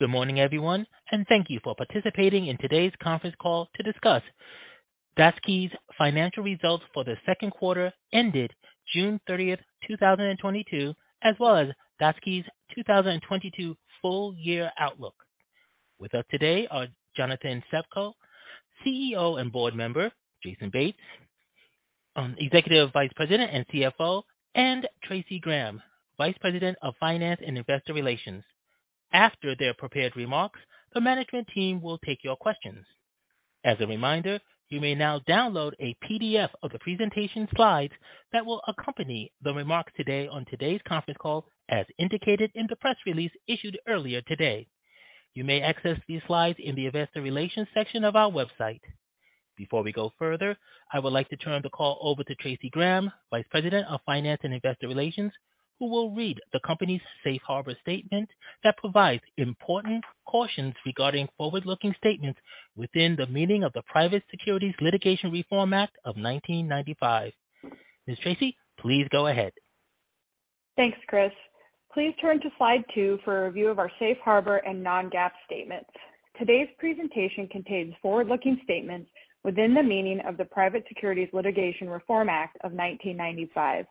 Good morning, everyone, and thank you for participating in today's conference call to discuss Daseke's financial results for the second quarter ended June 30, 2022, as well as Daseke's 2022 full year outlook. With us today are Jonathan Shepko, CEO and board member, Jason Bates, Executive Vice President and CFO, and Traci Graham, Vice President of Finance and Investor Relations. After their prepared remarks, the management team will take your questions. As a reminder, you may now download a PDF of the presentation slides that will accompany the remarks today on today's conference call, as indicated in the press release issued earlier today. You may access these slides in the Investor Relations section of our website. Before we go further, I would like to turn the call over to Traci Graham, Vice President of Finance and Investor Relations, who will read the company's safe harbor statement that provides important cautions regarding forward-looking statements within the meaning of the Private Securities Litigation Reform Act of 1995. Ms. Traci, please go ahead. Thanks, Chris. Please turn to slide 2 for a review of our safe harbor and non-GAAP statements. Today's presentation contains forward-looking statements within the meaning of the Private Securities Litigation Reform Act of 1995.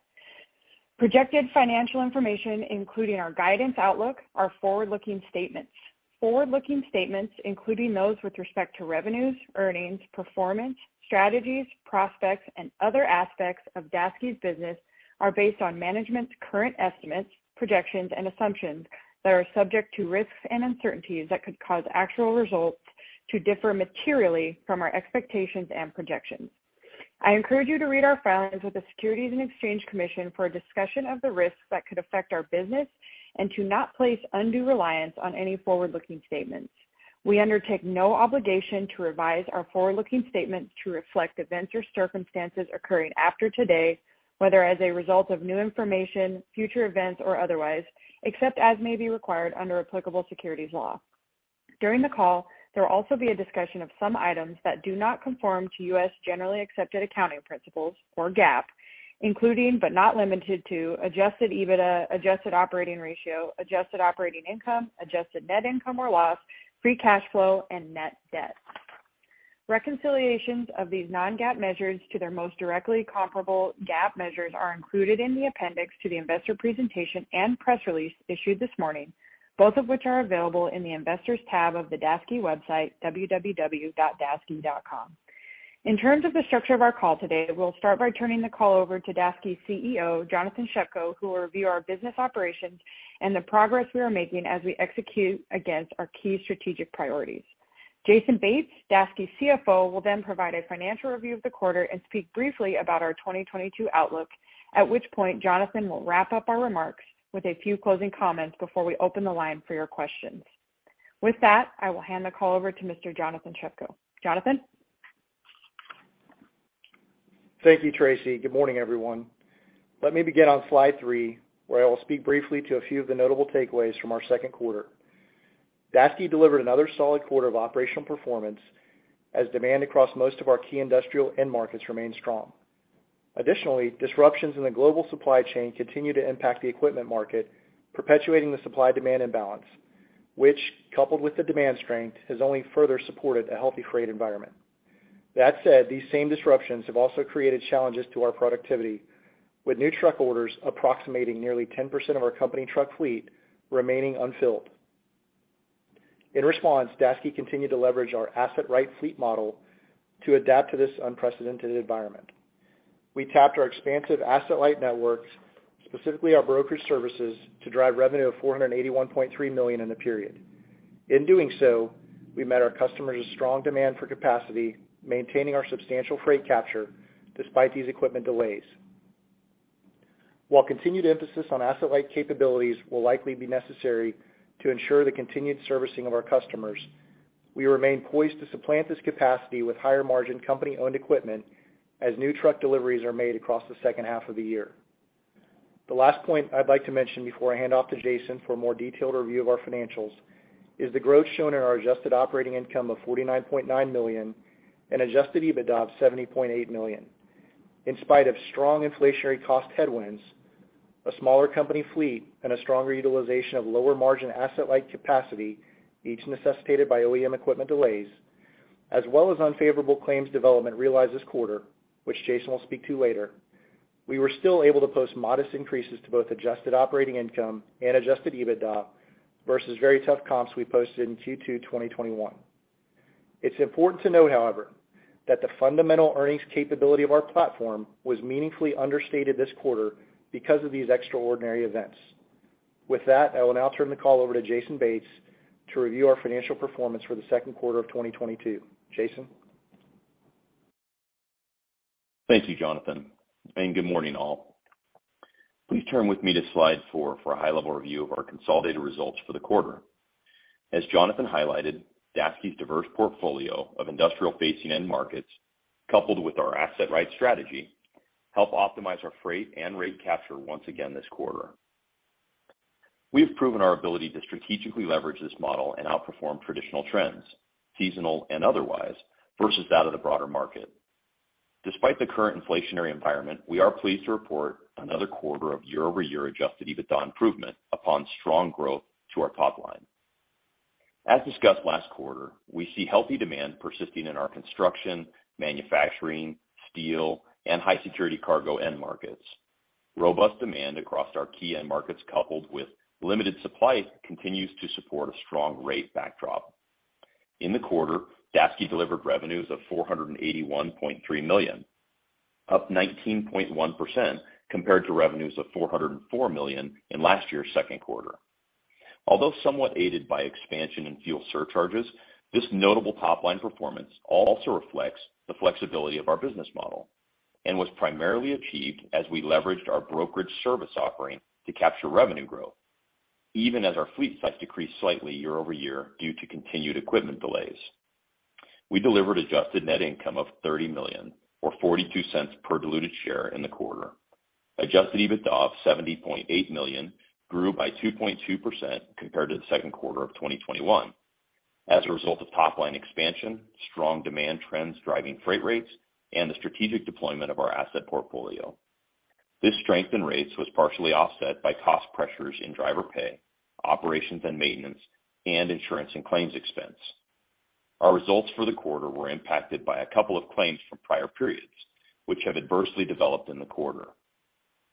Projected financial information, including our guidance outlook, are forward-looking statements. Forward-looking statements, including those with respect to revenues, earnings, performance, strategies, prospects, and other aspects of Daseke's business are based on management's current estimates, projections, and assumptions that are subject to risks and uncertainties that could cause actual results to differ materially from our expectations and projections. I encourage you to read our filings with the Securities and Exchange Commission for a discussion of the risks that could affect our business and to not place undue reliance on any forward-looking statements. We undertake no obligation to revise our forward-looking statements to reflect events or circumstances occurring after today, whether as a result of new information, future events, or otherwise, except as may be required under applicable securities law. During the call, there will also be a discussion of some items that do not conform to U.S. generally accepted accounting principles, or GAAP, including, but not limited to, adjusted EBITDA, adjusted operating ratio, adjusted operating income, adjusted net income or loss, free cash flow and net debt. Reconciliations of these non-GAAP measures to their most directly comparable GAAP measures are included in the appendix to the investor presentation and press release issued this morning, both of which are available in the Investors tab of the Daseke website, www.daseke.com. In terms of the structure of our call today, we'll start by turning the call over to Daseke's CEO, Jonathan Shepko, who will review our business operations and the progress we are making as we execute against our key strategic priorities. Jason Bates, Daseke's CFO, will then provide a financial review of the quarter and speak briefly about our 2022 outlook, at which point Jonathan will wrap up our remarks with a few closing comments before we open the line for your questions. With that, I will hand the call over to Mr. Jonathan Shepko. Jonathan? Thank you, Traci. Good morning, everyone. Let me begin on slide three, where I will speak briefly to a few of the notable takeaways from our second quarter. Daseke delivered another solid quarter of operational performance as demand across most of our key industrial end markets remained strong. Additionally, disruptions in the global supply chain continue to impact the equipment market, perpetuating the supply-demand imbalance, which, coupled with the demand strength, has only further supported a healthy freight environment. That said, these same disruptions have also created challenges to our productivity, with new truck orders approximating nearly 10% of our company truck fleet remaining unfilled. In response, Daseke continued to leverage our asset-right fleet model to adapt to this unprecedented environment. We tapped our expansive asset-light networks, specifically our brokerage services, to drive revenue of $481.3 million in the period. In doing so, we met our customers' strong demand for capacity, maintaining our substantial freight capture despite these equipment delays. While continued emphasis on asset-light capabilities will likely be necessary to ensure the continued servicing of our customers, we remain poised to supplant this capacity with higher-margin company-owned equipment as new truck deliveries are made across the second half of the year. The last point I'd like to mention before I hand off to Jason for a more detailed review of our financials is the growth shown in our Adjusted Operating Income of $49.9 million and Adjusted EBITDA of $78 million. In spite of strong inflationary cost headwinds, a smaller company fleet, and a stronger utilization of lower-margin asset-light capacity, each necessitated by OEM equipment delays, as well as unfavorable claims development realized this quarter, which Jason will speak to later, we were still able to post modest increases to both Adjusted Operating Income and Adjusted EBITDA versus very tough comps we posted in Q2 2021. It's important to note, however, that the fundamental earnings capability of our platform was meaningfully understated this quarter because of these extraordinary events. With that, I will now turn the call over to Jason Bates to review our financial performance for the second quarter of 2022. Jason? Thank you, Jonathan, and good morning, all. Please turn with me to slide four for a high-level review of our consolidated results for the quarter. As Jonathan highlighted, Daseke's diverse portfolio of industrial-facing end markets, coupled with our asset-right strategy, help optimize our freight and rate capture once again this quarter. We have proven our ability to strategically leverage this model and outperform traditional trends, seasonal and otherwise, versus that of the broader market. Despite the current inflationary environment, we are pleased to report another quarter of year-over-year Adjusted EBITDA improvement upon strong growth to our top line. As discussed last quarter, we see healthy demand persisting in our construction, manufacturing, steel, and high security cargo end markets. Robust demand across our key end markets, coupled with limited supply, continues to support a strong rate backdrop. In the quarter, Daseke delivered revenues of $481.3 million, up 19.1% compared to revenues of $404 million in last year's second quarter. Although somewhat aided by expansion in fuel surcharges, this notable top line performance also reflects the flexibility of our business model and was primarily achieved as we leveraged our brokerage service offering to capture revenue growth, even as our fleet size decreased slightly year-over-year due to continued equipment delays. We delivered adjusted net income of $30 million, or $0.42 per diluted share in the quarter. Adjusted EBITDA of $70.8 million grew by 2.2% compared to the second quarter of 2021 as a result of top line expansion, strong demand trends driving freight rates, and the strategic deployment of our asset portfolio. This strength in rates was partially offset by cost pressures in driver pay, operations and maintenance, and insurance and claims expense. Our results for the quarter were impacted by a couple of claims from prior periods, which have adversely developed in the quarter.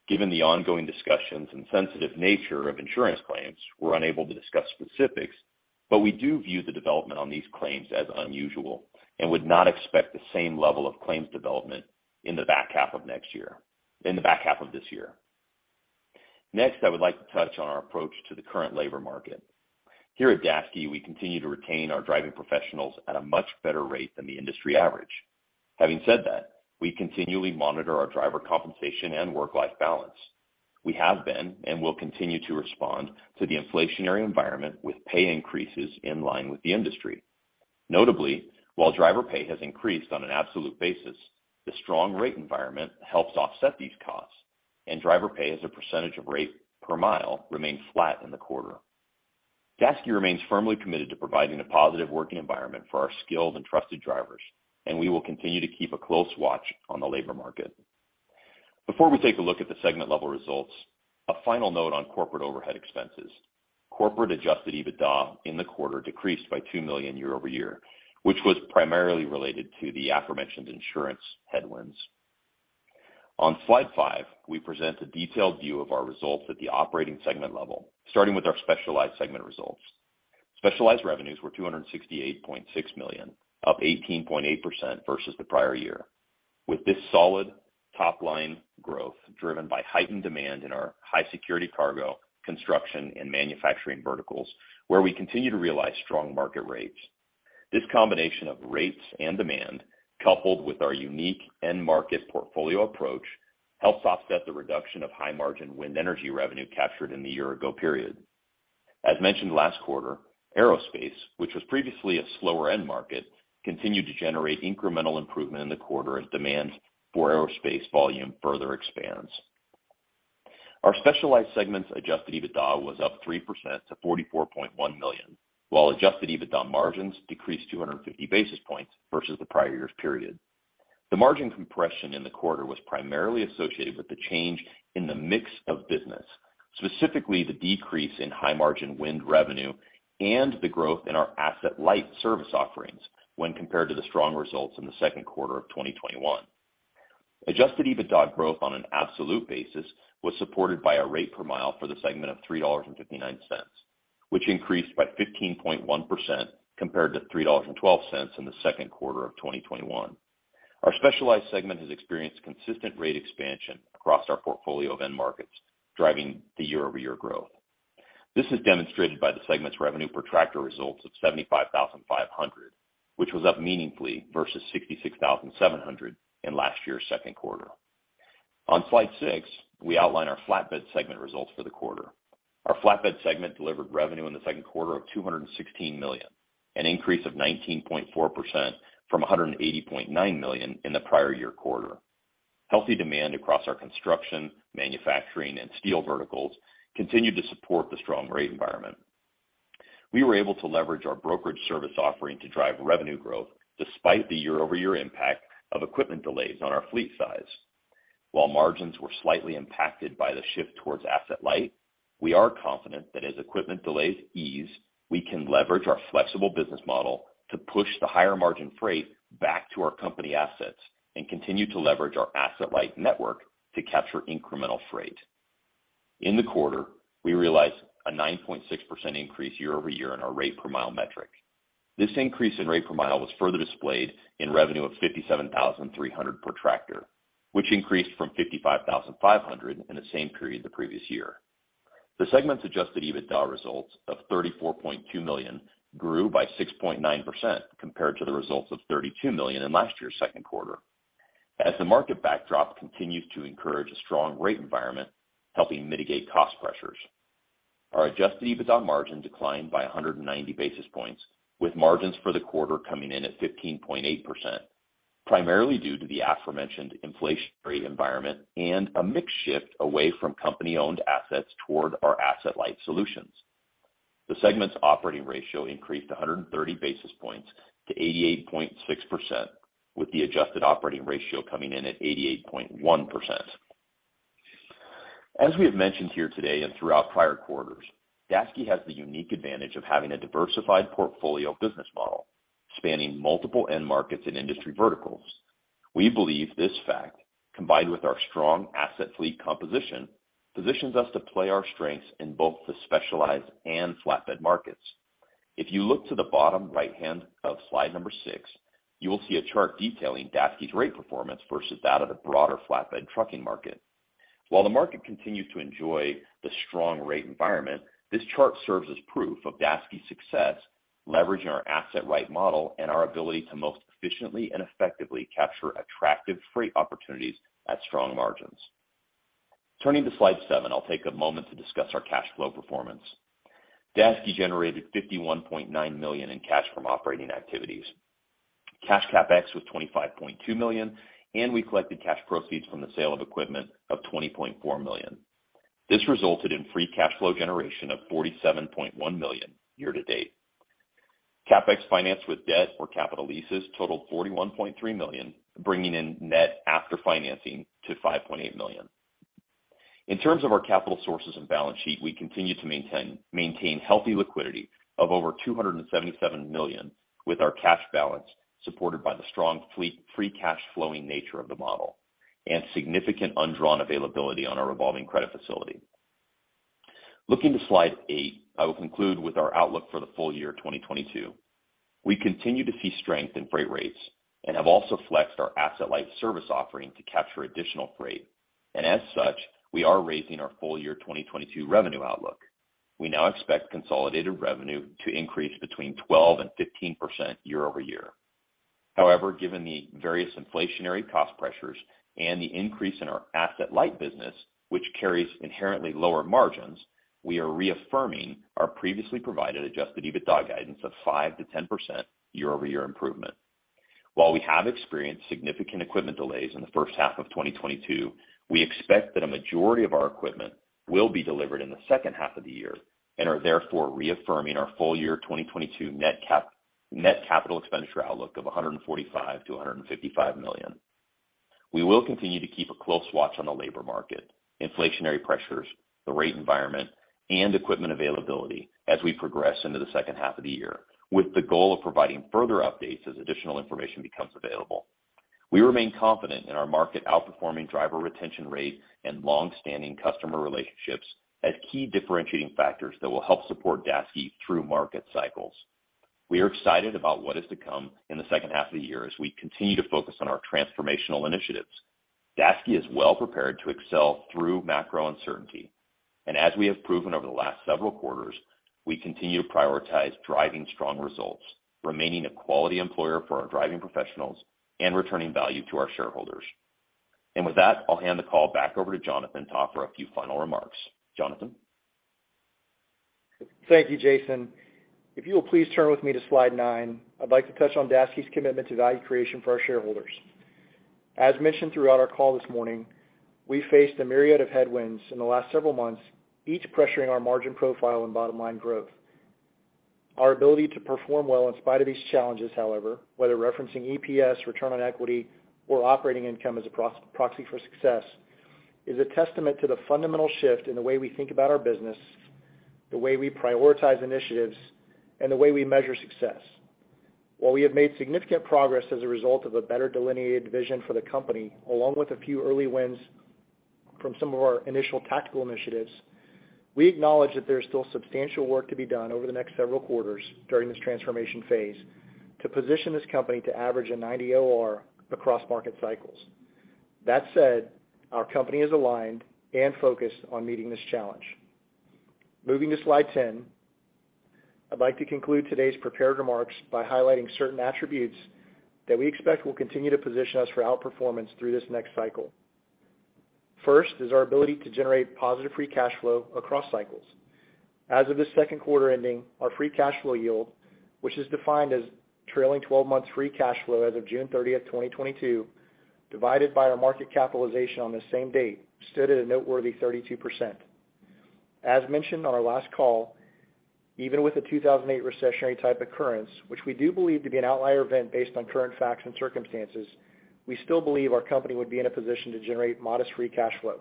Given the ongoing discussions and sensitive nature of insurance claims, we're unable to discuss specifics, but we do view the development on these claims as unusual and would not expect the same level of claims development in the back half of this year. Next, I would like to touch on our approach to the current labor market. Here at Daseke, we continue to retain our driving professionals at a much better rate than the industry average. Having said that, we continually monitor our driver compensation and work-life balance. We have been and will continue to respond to the inflationary environment with pay increases in line with the industry. Notably, while driver pay has increased on an absolute basis, the strong rate environment helps offset these costs, and driver pay as a percentage of rate per mile remained flat in the quarter. Daseke remains firmly committed to providing a positive working environment for our skilled and trusted drivers, and we will continue to keep a close watch on the labor market. Before we take a look at the segment-level results, a final note on corporate overhead expenses. Corporate adjusted EBITDA in the quarter decreased by $2 million year-over-year, which was primarily related to the aforementioned insurance headwinds. On slide 5, we present a detailed view of our results at the operating segment-level, starting with our specialized segment results. Specialized revenues were $268.6 million, up 18.8% versus the prior year. With this solid top-line growth driven by heightened demand in our high security cargo, construction, and manufacturing verticals, where we continue to realize strong market rates. This combination of rates and demand, coupled with our unique end market portfolio approach, helps offset the reduction of high-margin wind energy revenue captured in the year-ago period. As mentioned last quarter, aerospace, which was previously a slower end market, continued to generate incremental improvement in the quarter as demand for aerospace volume further expands. Our specialized segment's Adjusted EBITDA was up 3% to $44.1 million, while Adjusted EBITDA margins decreased 250 basis points versus the prior year's period. The margin compression in the quarter was primarily associated with the change in the mix of business, specifically the decrease in high-margin wind revenue and the growth in our asset-light service offerings when compared to the strong results in the second quarter of 2021. Adjusted EBITDA growth on an absolute basis was supported by a rate per mile for the segment of $3.59, which increased by 15.1% compared to $3.12 in the second quarter of 2021. Our specialized segment has experienced consistent rate expansion across our portfolio of end markets, driving the year-over-year growth. This is demonstrated by the segment's revenue per tractor results of 75,500, which was up meaningfully versus 66,700 in last year's second quarter. On Slide 6, we outline our flatbed segment results for the quarter. Our flatbed segment delivered revenue in the second quarter of $216 million, an increase of 19.4% from $180.9 million in the prior year quarter. Healthy demand across our construction, manufacturing, and steel verticals continued to support the strong rate environment. We were able to leverage our brokerage service offering to drive revenue growth despite the year-over-year impact of equipment delays on our fleet size. While margins were slightly impacted by the shift towards asset-light, we are confident that as equipment delays ease, we can leverage our flexible business model to push the higher margin freight back to our company assets and continue to leverage our asset-light network to capture incremental freight. In the quarter, we realized a 9.6% increase year-over-year in our rate per mile metric. This increase in rate per mile was further displayed in revenue of $57,300 per tractor, which increased from $55,500 in the same period the previous year. The segment's Adjusted EBITDA results of $34.2 million grew by 6.9% compared to the results of $32 million in last year's second quarter. As the market backdrop continues to encourage a strong rate environment, helping mitigate cost pressures, our Adjusted EBITDA margin declined by 190 basis points, with margins for the quarter coming in at 15.8%, primarily due to the aforementioned inflationary environment and a mix shift away from company-owned assets toward our asset-light solutions. The segment's operating ratio increased 130 basis points to 88.6%, with the adjusted operating ratio coming in at 88.1%. As we have mentioned here today and throughout prior quarters, Daseke has the unique advantage of having a diversified portfolio business model spanning multiple end markets and industry verticals. We believe this fact, combined with our strong asset fleet composition, positions us to play our strengths in both the specialized and flatbed markets. If you look to the bottom right hand of slide number 6, you will see a chart detailing Daseke's rate performance versus that of the broader flatbed trucking market. While the market continues to enjoy the strong rate environment, this chart serves as proof of Daseke's success, leveraging our asset-light model and our ability to most efficiently and effectively capture attractive freight opportunities at strong margins. Turning to slide 7, I'll take a moment to discuss our cash flow performance. Daseke generated $51.9 million in cash from operating activities. Cash CapEx was $25.2 million, and we collected cash proceeds from the sale of equipment of $20.4 million. This resulted in free cash flow generation of $47.1 million year to date. CapEx financed with debt or capital leases totaled $41.3 million, bringing net after financing to $5.8 million. In terms of our capital sources and balance sheet, we continue to maintain healthy liquidity of over $277 million with our cash balance, supported by the strong fleet free cash flowing nature of the model and significant undrawn availability on our revolving credit facility. Looking to slide 8, I will conclude with our outlook for the full year 2022. We continue to see strength in freight rates and have also flexed our asset-light service offering to capture additional freight. As such, we are raising our full year 2022 revenue outlook. We now expect consolidated revenue to increase between 12% and 15% year-over-year. However, given the various inflationary cost pressures and the increase in our asset-light business, which carries inherently lower margins, we are reaffirming our previously provided Adjusted EBITDA guidance of 5%-10% year-over-year improvement. While we have experienced significant equipment delays in the first half of 2022, we expect that a majority of our equipment will be delivered in the second half of the year and are therefore reaffirming our full-year 2022 net capital expenditure outlook of $145 million-$155 million. We will continue to keep a close watch on the labor market, inflationary pressures, the rate environment, and equipment availability as we progress into the second half of the year, with the goal of providing further updates as additional information becomes available. We remain confident in our market outperforming driver retention rate and long-standing customer relationships as key differentiating factors that will help support Daseke through market cycles. We are excited about what is to come in the second half of the year as we continue to focus on our transformational initiatives. Daseke is well prepared to excel through macro uncertainty. As we have proven over the last several quarters, we continue to prioritize driving strong results, remaining a quality employer for our driving professionals, and returning value to our shareholders. With that, I'll hand the call back over to Jonathan Shepko for a few final remarks. Jonathan? Thank you, Jason. If you will please turn with me to slide 9, I'd like to touch on Daseke's commitment to value creation for our shareholders. As mentioned throughout our call this morning, we faced a myriad of headwinds in the last several months, each pressuring our margin profile and bottom-line growth. Our ability to perform well in spite of these challenges, however, whether referencing EPS, return on equity or operating income as a proxy for success, is a testament to the fundamental shift in the way we think about our business, the way we prioritize initiatives, and the way we measure success. While we have made significant progress as a result of a better delineated vision for the company, along with a few early wins from some of our initial tactical initiatives, we acknowledge that there's still substantial work to be done over the next several quarters during this transformation phase to position this company to average a 90 OR across market cycles. That said, our company is aligned and focused on meeting this challenge. Moving to slide 10, I'd like to conclude today's prepared remarks by highlighting certain attributes that we expect will continue to position us for outperformance through this next cycle. First is our ability to generate positive free cash flow across cycles. As of the second quarter ending, our free cash flow yield, which is defined as trailing twelve months free cash flow as of June 30, 2022, divided by our market capitalization on the same date, stood at a noteworthy 32%. As mentioned on our last call, even with a 2008 recessionary type occurrence, which we do believe to be an outlier event based on current facts and circumstances, we still believe our company would be in a position to generate modest free cash flow.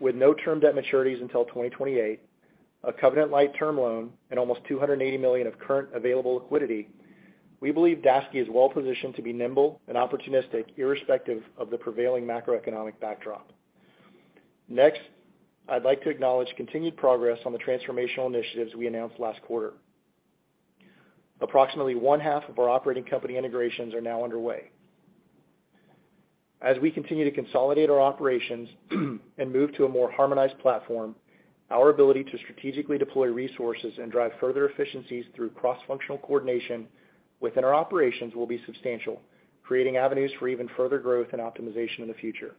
With no term debt maturities until 2028, a covenant light term loan, and almost $280 million of current available liquidity, we believe Daseke is well positioned to be nimble and opportunistic irrespective of the prevailing macroeconomic backdrop. Next, I'd like to acknowledge continued progress on the transformational initiatives we announced last quarter. Approximately one half of our operating company integrations are now underway. As we continue to consolidate our operations and move to a more harmonized platform, our ability to strategically deploy resources and drive further efficiencies through cross-functional coordination within our operations will be substantial, creating avenues for even further growth and optimization in the future.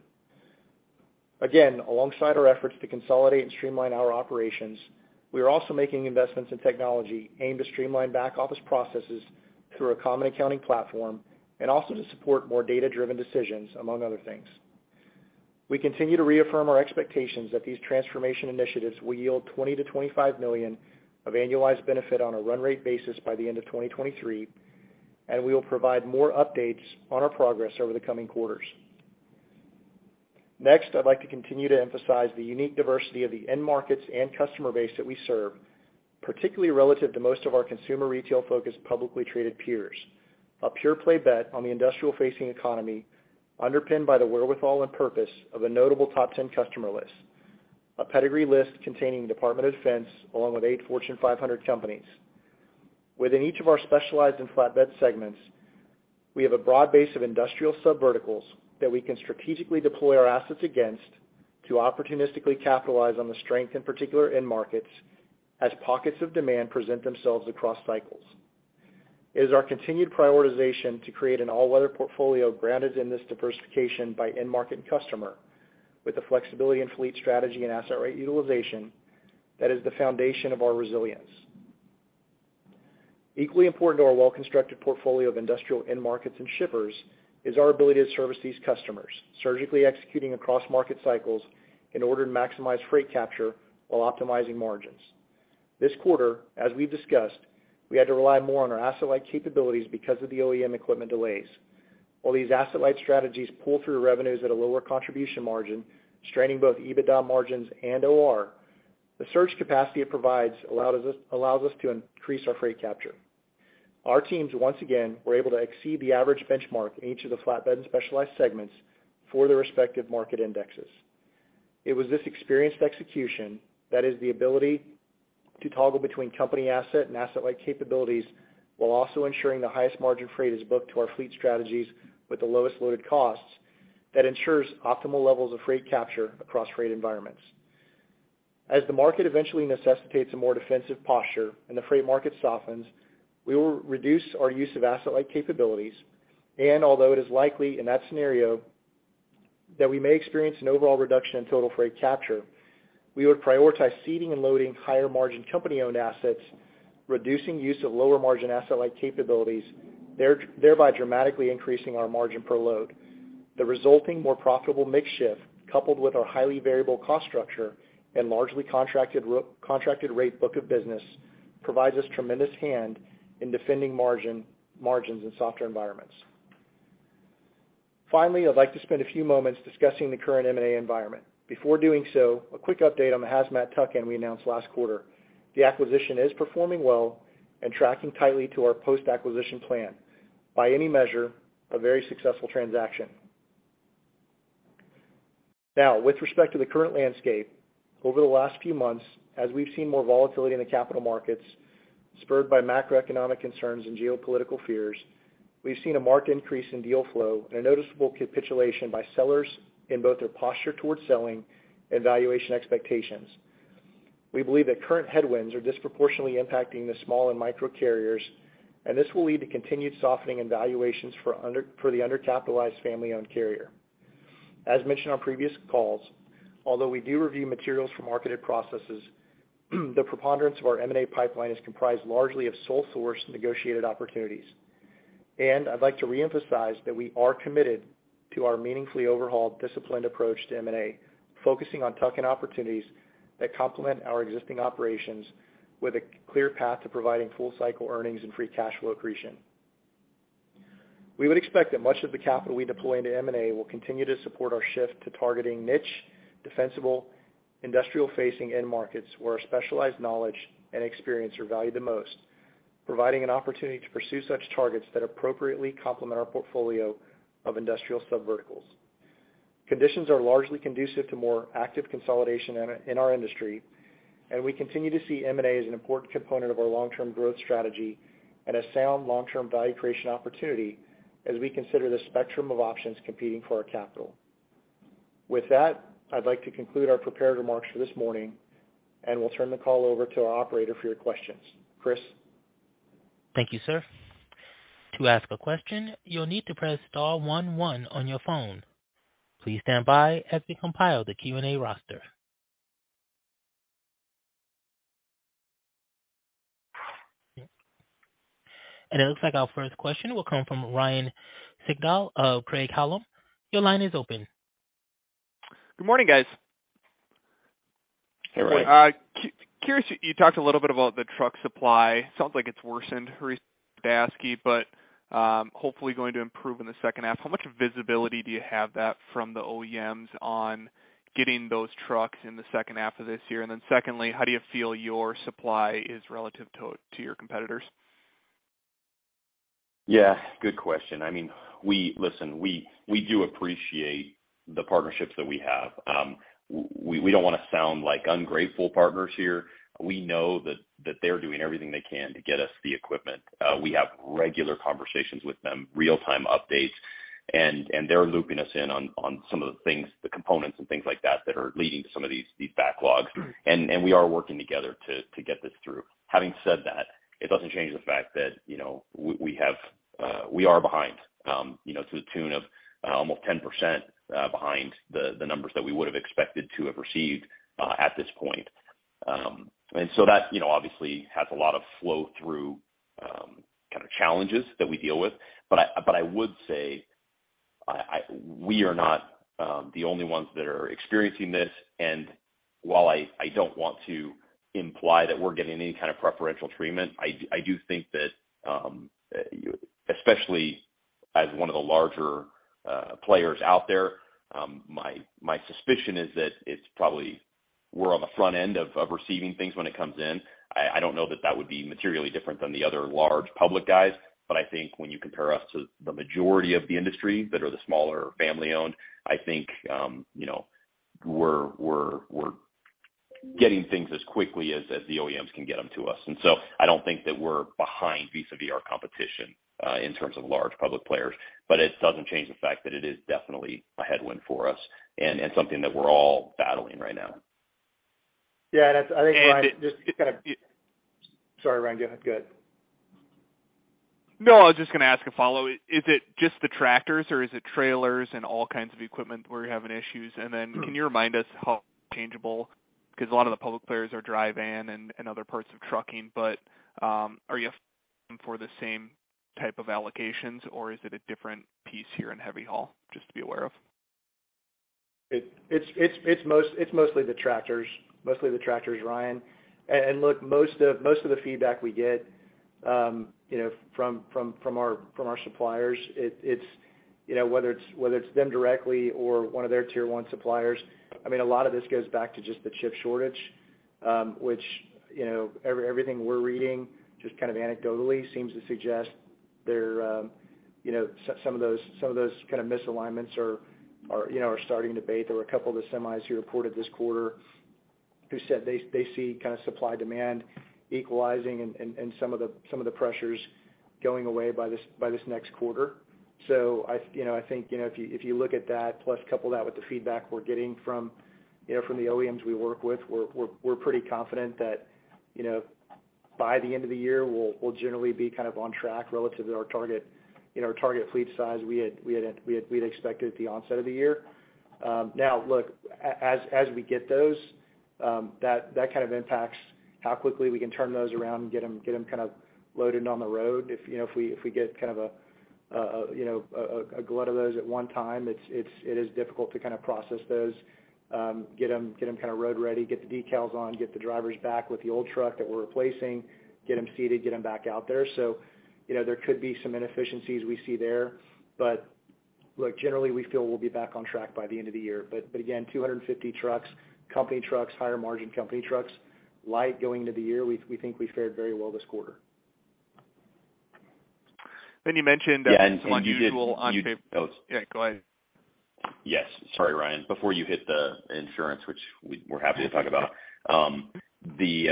Again, alongside our efforts to consolidate and streamline our operations, we are also making investments in technology aimed to streamline back office processes through a common accounting platform and also to support more data-driven decisions, among other things. We continue to reaffirm our expectations that these transformation initiatives will yield $20-$25 million of annualized benefit on a run rate basis by the end of 2023, and we will provide more updates on our progress over the coming quarters. Next, I'd like to continue to emphasize the unique diversity of the end markets and customer base that we serve, particularly relative to most of our consumer retail-focused, publicly traded peers. A pure-play bet on the industrial-facing economy, underpinned by the wherewithal and purpose of a notable top 10 customer list, a pedigree list containing Department of Defense, along with eight Fortune 500 companies. Within each of our specialized and flatbed segments, we have a broad base of industrial subverticals that we can strategically deploy our assets against to opportunistically capitalize on the strength in particular end markets as pockets of demand present themselves across cycles. It is our continued prioritization to create an all-weather portfolio grounded in this diversification by end market and customer with the flexibility and fleet strategy and asset-right utilization that is the foundation of our resilience. Equally important to our well-constructed portfolio of industrial end markets and shippers is our ability to service these customers, surgically executing across market cycles in order to maximize freight capture while optimizing margins. This quarter, as we've discussed, we had to rely more on our asset-light capabilities because of the OEM equipment delays. While these asset-light strategies pull through revenues at a lower contribution margin, straining both EBITDA margins and OR, the surge capacity it provides allows us to increase our freight capture. Our teams, once again, were able to exceed the average benchmark in each of the flatbed and specialized segments for their respective market indexes. It was this experienced execution that is the ability to toggle between company asset and asset-light capabilities while also ensuring the highest margin freight is booked to our fleet strategies with the lowest loaded costs that ensures optimal levels of freight capture across rate environments. As the market eventually necessitates a more defensive posture and the freight market softens, we will reduce our use of asset-light capabilities. Although it is likely in that scenario that we may experience an overall reduction in total freight capture, we would prioritize seating and loading higher-margin company-owned assets, reducing use of lower-margin asset-light capabilities, thereby dramatically increasing our margin per load. The resulting more profitable mix shift, coupled with our highly variable cost structure and largely contracted rate book of business, provides us tremendous hand in defending margins in softer environments. Finally, I'd like to spend a few moments discussing the current M&A environment. Before doing so, a quick update on the Hazmat tuck-in we announced last quarter. The acquisition is performing well and tracking tightly to our post-acquisition plan. By any measure, a very successful transaction. Now, with respect to the current landscape, over the last few months, as we've seen more volatility in the capital markets, spurred by macroeconomic concerns and geopolitical fears, we've seen a marked increase in deal flow and a noticeable capitulation by sellers in both their posture towards selling and valuation expectations. We believe that current headwinds are disproportionately impacting the small and microcarriers, and this will lead to continued softening in valuations for the undercapitalized family-owned carrier. As mentioned on previous calls, although we do review materials for marketed processes, the preponderance of our M&A pipeline is comprised largely of sole source negotiated opportunities. I'd like to reemphasize that we are committed to our meaningfully overhauled, disciplined approach to M&A, focusing on tuck-in opportunities that complement our existing operations with a clear path to providing full cycle earnings and free cash flow accretion. We would expect that much of the capital we deploy into M&A will continue to support our shift to targeting niche, defensible, industrial-facing end markets where our specialized knowledge and experience are valued the most, providing an opportunity to pursue such targets that appropriately complement our portfolio of industrial subverticals. Conditions are largely conducive to more active consolidation in our industry, and we continue to see M&A as an important component of our long-term growth strategy and a sound long-term value creation opportunity as we consider the spectrum of options competing for our capital. With that, I'd like to conclude our prepared remarks for this morning, and we'll turn the call over to our operator for your questions. Chris? Thank you, sir. To ask a question, you'll need to press star one one on your phone. Please stand by as we compile the Q&A roster. It looks like our first question will come from Ryan Sigdahl of Craig-Hallum. Your line is open. Good morning, guys. Hey, Ryan. Curious, you talked a little bit about the truck supply. Sounds like it's worsened recently, but hopefully going to improve in the second half. How much visibility do you have that from the OEMs on getting those trucks in the second half of this year? And then secondly, how do you feel your supply is relative to your competitors? Yeah, good question. I mean, we do appreciate the partnerships that we have. We don't wanna sound like ungrateful partners here. We know that they're doing everything they can to get us the equipment. We have regular conversations with them, real-time updates, and they're looping us in on some of the things, the components and things like that are leading to some of these backlogs. We are working together to get this through. Having said that, it doesn't change the fact that, we are behind, to the tune of almost 10%, behind the numbers that we would have expected to have received at this point. That obviously has a lot of flow-through. challenges that we deal with. I would say we are not the only ones that are experiencing this. While I don't want to imply that we're getting any kind of preferential treatment, I do think that, especially as one of the larger players out there, my suspicion is that it's probably we're on the front end of receiving things when it comes in. I don't know that that would be materially different than the other large public guys. I think when you compare us to the majority of the industry that are the smaller family-owned, I think you know, we're getting things as quickly as the OEMs can get them to us. I don't think that we're behind vis-à-vis our competition, in terms of large public players. It doesn't change the fact that it is definitely a headwind for us and something that we're all battling right now. Yeah. That's, I think, Ryan, just to kind of- And it- Sorry, Ryan. Go ahead. No, I was just gonna ask a follow. Is it just the tractors or is it trailers and all kinds of equipment where you're having issues? Then can you remind us how changeable, because a lot of the public players are dry van and other parts of trucking, but are you asking for the same type of allocations or is it a different piece here in heavy haul just to be aware of? It's mostly the tractors, Ryan. Look, most of the feedback we get, from our suppliers, whether it's them directly or one of their Tier 1 suppliers, I mean, a lot of this goes back to just the chip shortage, which, everything we're reading just kind of anecdotally seems to suggest they're, you know, some of those kind of misalignments are, starting to abate. There were a couple of the semis who reported this quarter who said they see kind of supply demand equalizing and some of the pressures going away by this next quarter. I think, if you look at that plus couple that with the feedback we're getting from, from the OEMs we work with, we're pretty confident that by the end of the year, we'll generally be kind of on track relative to our target, you know, our target fleet size we had expected at the onset of the year. Now, look, as we get those, that kind of impacts how quickly we can turn those around and get them kind of loaded on the road. If we get kind of a glut of those at one time, it's difficult to kind of process those, get them kind of road ready, get the decals on, get the drivers back with the old truck that we're replacing, get them seated, get them back out there. You know, there could be some inefficiencies we see there. Look, generally, we feel we'll be back on track by the end of the year. Again, 250 trucks, company trucks, higher margin company trucks, light going into the year. We think we fared very well this quarter. You mentioned. Yeah. Some unusual on paper. Oh. Yeah, go ahead. Yes. Sorry, Ryan. Before you hit the insurance, which we're happy to talk about. You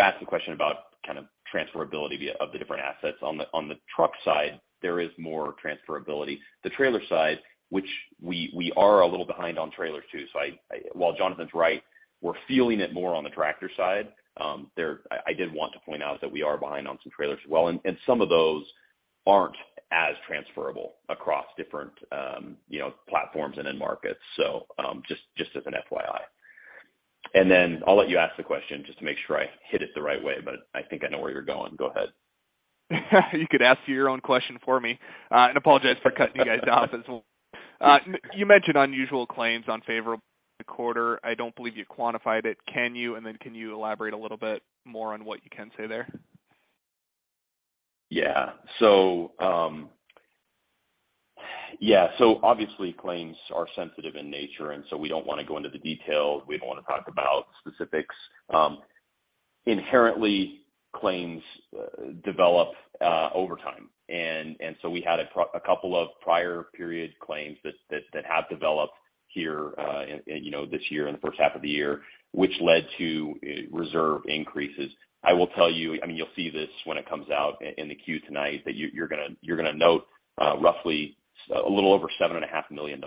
asked the question about kind of transferability of the different assets. On the truck side, there is more transferability. The trailer side, which we are a little behind on trailers too. While Jonathan's right, we're feeling it more on the tractor side. I did want to point out that we are behind on some trailers as well, and some of those aren't as transferable across different, you know, platforms and end markets. Just as an FYI. Then I'll let you ask the question just to make sure I hit it the right way, but I think I know where you're going. Go ahead. You could ask your own question for me, and apologize for cutting you guys off as well. You mentioned unusual claims unfavorable to the quarter. I don't believe you quantified it. Can you? And then can you elaborate a little bit more on what you can say there? Obviously claims are sensitive in nature, and we don't wanna go into the details. We don't wanna talk about specifics. Inherently claims develop over time. We had a couple of prior period claims that have developed here, you know, in this year, in the first half of the year, which led to reserve increases. I will tell you, I mean, you'll see this when it comes out in the Q tonight that you're gonna note roughly a little over $7.5 million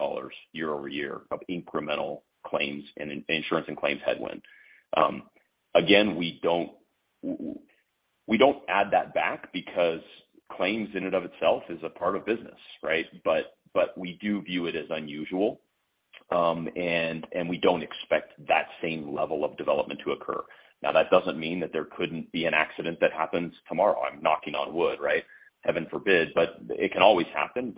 year-over-year of incremental claims and insurance and claims headwind. Again, we don't add that back because claims in and of itself is a part of business, right? We do view it as unusual. We don't expect that same level of development to occur. Now, that doesn't mean that there couldn't be an accident that happens tomorrow. I'm knocking on wood, right? Heaven forbid, but it can always happen.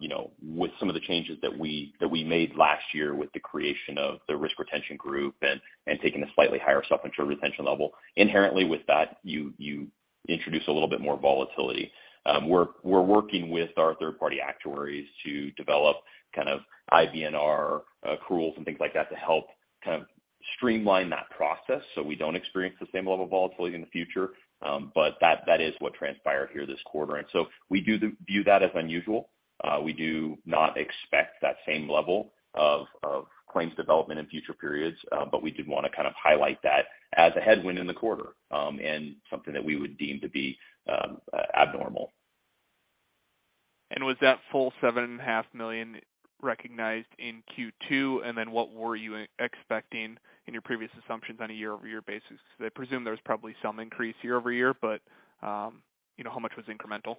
You know, with some of the changes that we made last year with the creation of the Risk Retention Group and taking a slightly higher self-insured retention level, inherently with that, you introduce a little bit more volatility. We're working with our third-party actuaries to develop kind of IBNR accruals and things like that to help kind of streamline that process so we don't experience the same level of volatility in the future. That is what transpired here this quarter. We do view that as unusual. We do not expect that same level of claims development in future periods, but we did wanna kind of highlight that as a headwind in the quarter, and something that we would deem to be abnormal. Was that full $7.5 million recognized in Q2? Then what were you expecting in your previous assumptions on a year-over-year basis? Because I presume there was probably some increase year-over-year, but, you know, how much was incremental?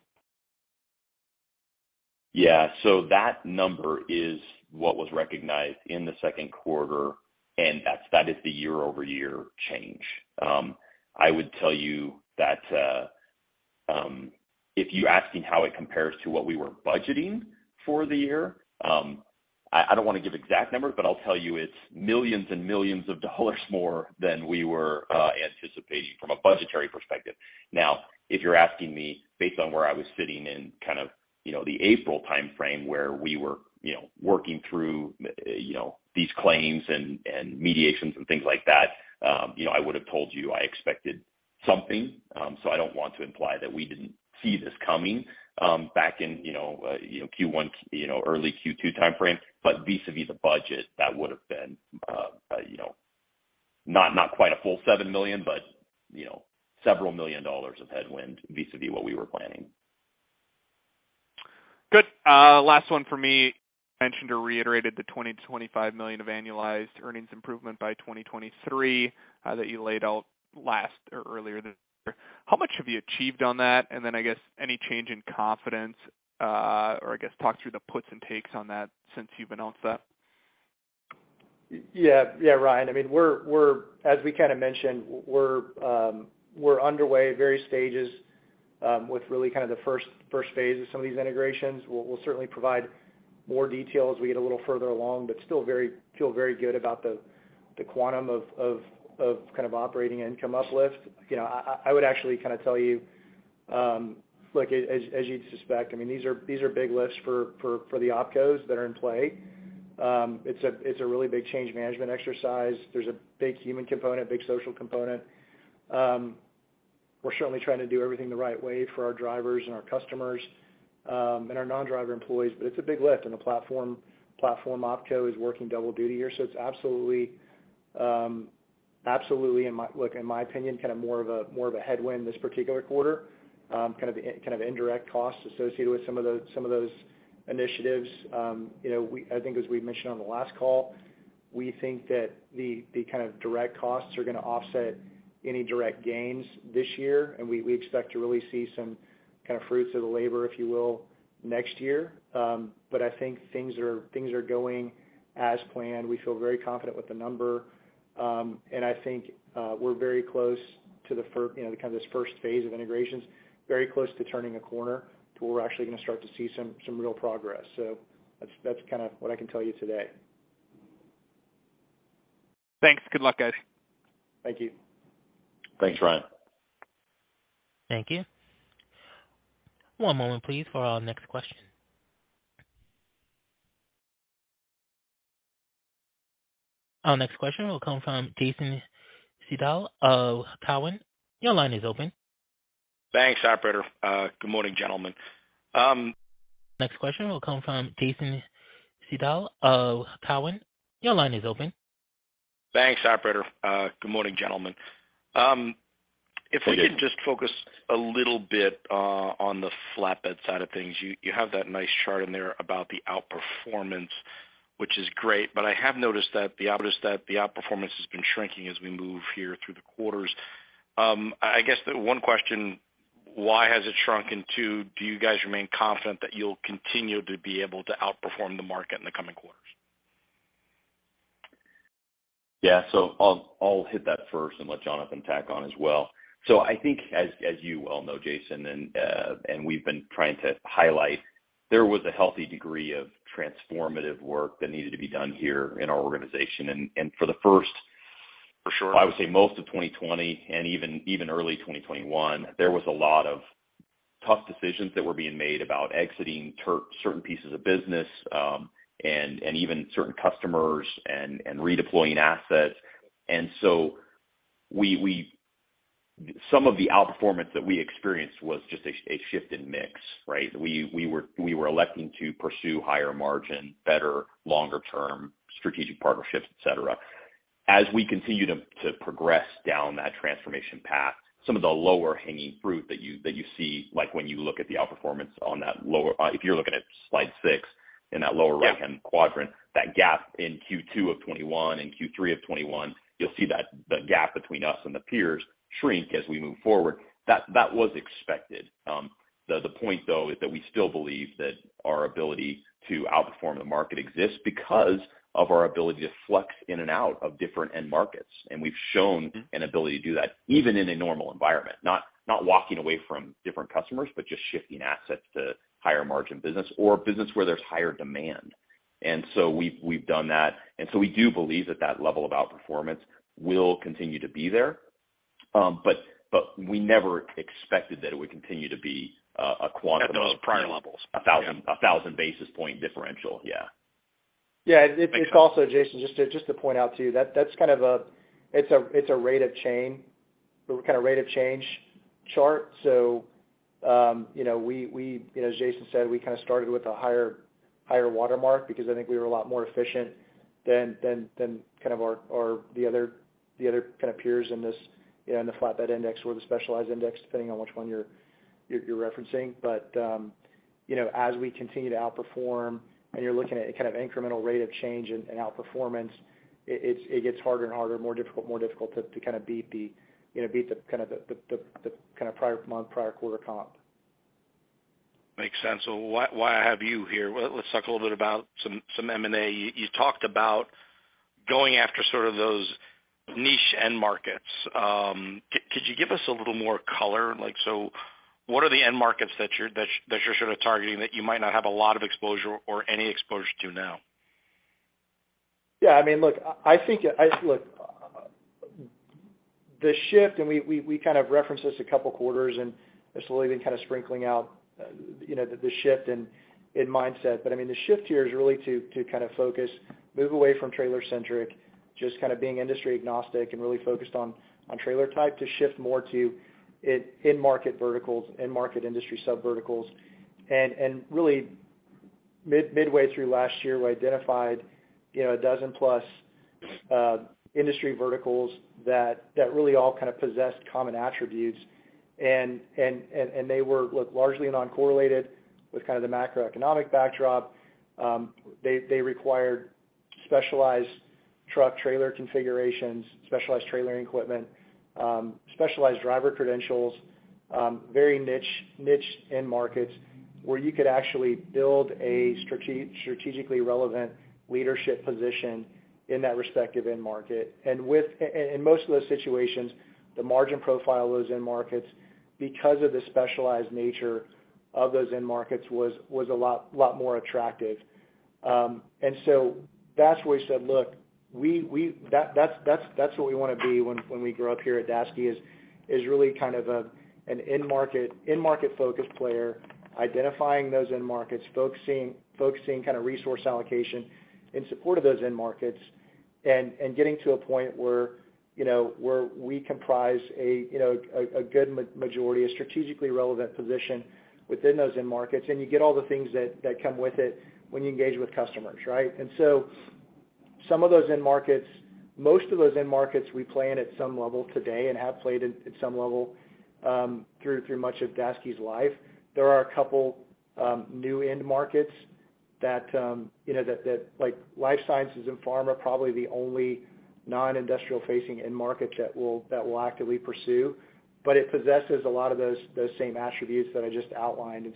Yeah. That number is what was recognized in the second quarter, and that is the year-over-year change. I would tell you that if you're asking how it compares to what we were budgeting for the year, I don't wanna give exact numbers, but I'll tell you it's millions and millions of dollars more than we were anticipating from a budgetary perspective. Now, if you're asking me based on where I was sitting in kind of, the April timeframe where we were, you know, working through, you know, these claims and mediations and things like that, you know, I would have told you I expected something. I don't want to imply that we didn't see this coming back in, you know, Q1, you know, early Q2 timeframe. Vis-à-vis the budget, that would have been, not quite a full $7 million, but, you know, $several million of headwind vis-à-vis what we were planning. Good. Last one for me. Mentioned or reiterated the $20-$25 million of annualized earnings improvement by 2023, that you laid out last or earlier this year. How much have you achieved on that? I guess any change in confidence, or I guess talk through the puts and takes on that since you've announced that. Yeah, yeah, Ryan. I mean, as we kinda mentioned, we're underway at various stages with really kind of the first phase of some of these integrations. We'll certainly provide more detail as we get a little further along, but we still feel very good about the quantum of kind of operating income uplift. You know, I would actually kind of tell you, look, as you'd suspect, I mean, these are big lifts for the opcos that are in play. It's a really big change management exercise. There's a big human component, big social component. We're certainly trying to do everything the right way for our drivers and our customers, and our non-driver employees. It's a big lift, and the platform opco is working double duty here. It's absolutely, look, in my opinion, kind of more of a headwind this particular quarter, kind of indirect costs associated with some of those initiatives. You know, I think as we mentioned on the last call, we think that the kind of direct costs are gonna offset any direct gains this year, and we expect to really see some kind of fruits of the labor, if you will, next year. But I think things are going as planned. We feel very confident with the number. I think we're very close to the first, you know, kind of this first phase of integrations, very close to turning a corner to where we're actually gonna start to see some real progress. That's kinda what I can tell you today. Thanks. Good luck, guys. Thank you. Thanks, Ryan. Thank you. One moment, please, for our next question. Our next question will come from Jason Seidl of Cowen. Your line is open. Thanks, operator. Good morning, gentlemen. Next question will come from Jason Seidl of Cowen. Your line is open. Thanks, operator. Good morning, gentlemen. If we could just focus a little bit on the flatbed side of things. You have that nice chart in there about the outperformance, which is great, but I have noticed that the outperformance has been shrinking as we move here through the quarters. I guess the one question, why has it shrunk? Two, do you guys remain confident that you'll continue to be able to outperform the market in the coming quarters? Yeah. I'll hit that first and let Jonathan tack on as well. I think as you well know, Jason, and we've been trying to highlight, there was a healthy degree of transformative work that needed to be done here in our organization. For sure. I would say most of 2020 and even early 2021, there was a lot of tough decisions that were being made about exiting certain pieces of business, and even certain customers and redeploying assets. Some of the outperformance that we experienced was just a shift in mix, right? We were electing to pursue higher margin, better longer-term strategic partnerships, et cetera. As we continue to progress down that transformation path, some of the lower hanging fruit that you see, like when you look at the outperformance on that lower, if you're looking at slide six in that lower right-hand quadrant, that gap in Q2 of 2021 and Q3 of 2021, you'll see that the gap between us and the peers shrink as we move forward. That was expected. The point, though, is that we still believe that our ability to outperform the market exists because of our ability to flex in and out of different end markets. We've shown an ability to do that even in a normal environment. Not walking away from different customers, but just shifting assets to higher margin business or business where there's higher demand. We've done that. We do believe that that level of outperformance will continue to be there. We never expected that it would continue to be a quantum- At those prior levels. Yeah. 1,000 basis point differential. Yeah. Yeah. It also, Jason, just to point out to you, that that's kind of a rate of change chart. So, you know, as Jason said, we kinda started with a higher watermark because I think we were a lot more efficient than kind of the other kind of peers in this, in the flatbed index or the specialized index, depending on which one you're referencing. As we continue to outperform and you're looking at kind of incremental rate of change and outperformance, it gets harder and harder, more difficult to kinda beat the kind of prior month, prior quarter comp. Makes sense. Why I have you here, well, let's talk a little bit about some M&A. You talked about going after sort of those niche end markets. Could you give us a little more color? Like, so what are the end markets that you're that you're sort of targeting that you might not have a lot of exposure or any exposure to now? Yeah. I mean, look, I think, look, the shift, and we kind of referenced this a couple of quarters, and I slowly been kind of sprinkling out, the shift in mindset. But I mean, the shift here is really to kind of focus, move away from trailer centric, just kind of being industry agnostic and really focused on trailer type to shift more to end market verticals, end market industry sub verticals. Really midway through last year, we identified, you know, a dozen-plus industry verticals that really all kind of possessed common attributes, and they were, look, largely non-correlated with kind of the macroeconomic backdrop. They required specialized truck trailer configurations, specialized trailer equipment, specialized driver credentials, very niche end markets where you could actually build a strategically relevant leadership position in that respective end market. In most of those situations, the margin profile of those end markets, because of the specialized nature of those end markets, was a lot more attractive. That's where we said, look, that's what we wanna be when we grow up here at Daseke, is really kind of an end market-focused player, identifying those end markets, focusing kind of resource allocation in support of those end markets and getting to a point where, you know, where we comprise a, you know, a good majority, a strategically relevant position within those end markets. You get all the things that come with it when you engage with customers, right? Some of those end markets, most of those end markets we play in at some level today and have played at some level through much of Daseke's life. There are a couple new end markets that like life sciences and pharma are probably the only non-industrial facing end markets that we'll actively pursue, but it possesses a lot of those same attributes that I just outlined.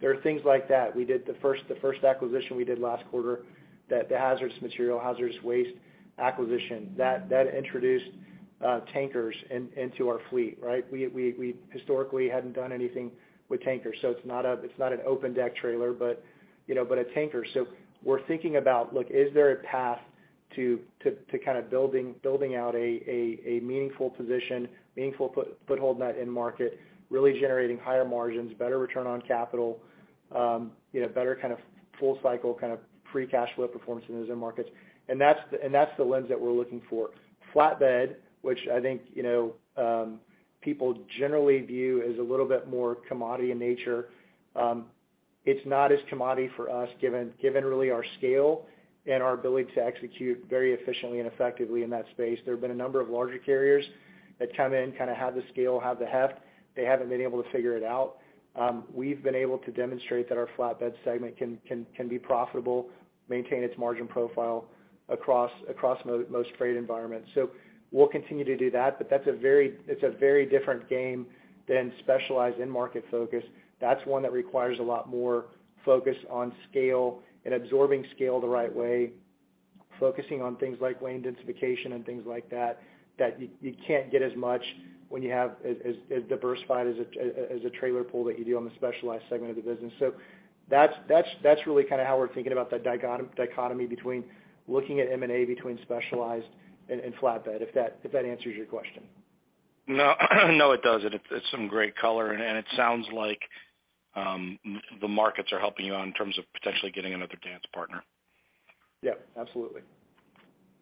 There are things like that. We did the first acquisition we did last quarter, the hazardous materials hazardous waste acquisition, that introduced tankers into our fleet, right? We historically hadn't done anything with tankers, so it's not an open deck trailer, but a tanker. We're thinking about, is there a path to kind of building out a meaningful position, meaningful foothold in that end market, really generating higher margins, better return on capital, better full cycle free cash flow performance in those end markets. That's the lens that we're looking for. Flatbed, which I think people generally view as a little bit more commodity in nature, it's not as commodity for us given really our scale and our ability to execute very efficiently and effectively in that space. There have been a number of larger carriers that come in, kind of have the scale, have the heft. They haven't been able to figure it out. We've been able to demonstrate that our flatbed segment can be profitable, maintain its margin profile across most freight environments. We'll continue to do that, but that's a very different game than specialized end market focus. That's one that requires a lot more focus on scale and absorbing scale the right way, focusing on things like lane densification and things like that you can't get as much when you have as diversified as a trailer pool that you do on the specialized segment of the business. That's really kind of how we're thinking about the dichotomy between looking at M&A between specialized and flatbed, if that answers your question. No, it does. It's some great color, and it sounds like the markets are helping you out in terms of potentially getting another dance partner. Yeah, absolutely.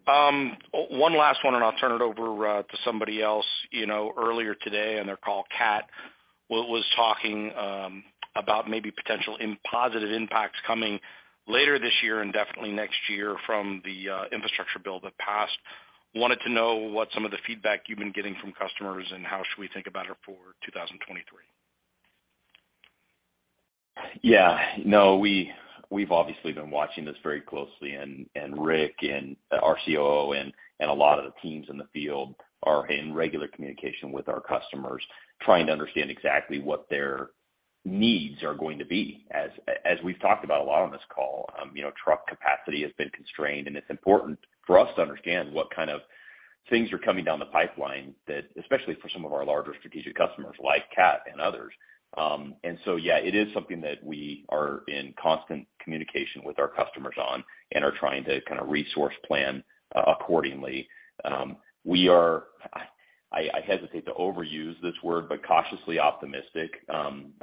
One last one, and I'll turn it over to somebody else. Earlier today, Caterpillar was talking about maybe potential positive impacts coming later this year and definitely next year from the infrastructure bill that passed. Wanted to know what some of the feedback you've been getting from customers and how should we think about it for 2023. Yeah. No, we've obviously been watching this very closely and Rick and our COO and a lot of the teams in the field are in regular communication with our customers, trying to understand exactly what their needs are going to be. As we've talked about a lot on this call, truck capacity has been constrained, and it's important for us to understand what kind of things are coming down the pipeline that, especially for some of our larger strategic customers like Caterpillar and others. Yeah, it is something that we are in constant communication with our customers on and are trying to kind of resource plan accordingly. We are, I hesitate to overuse this word, but cautiously optimistic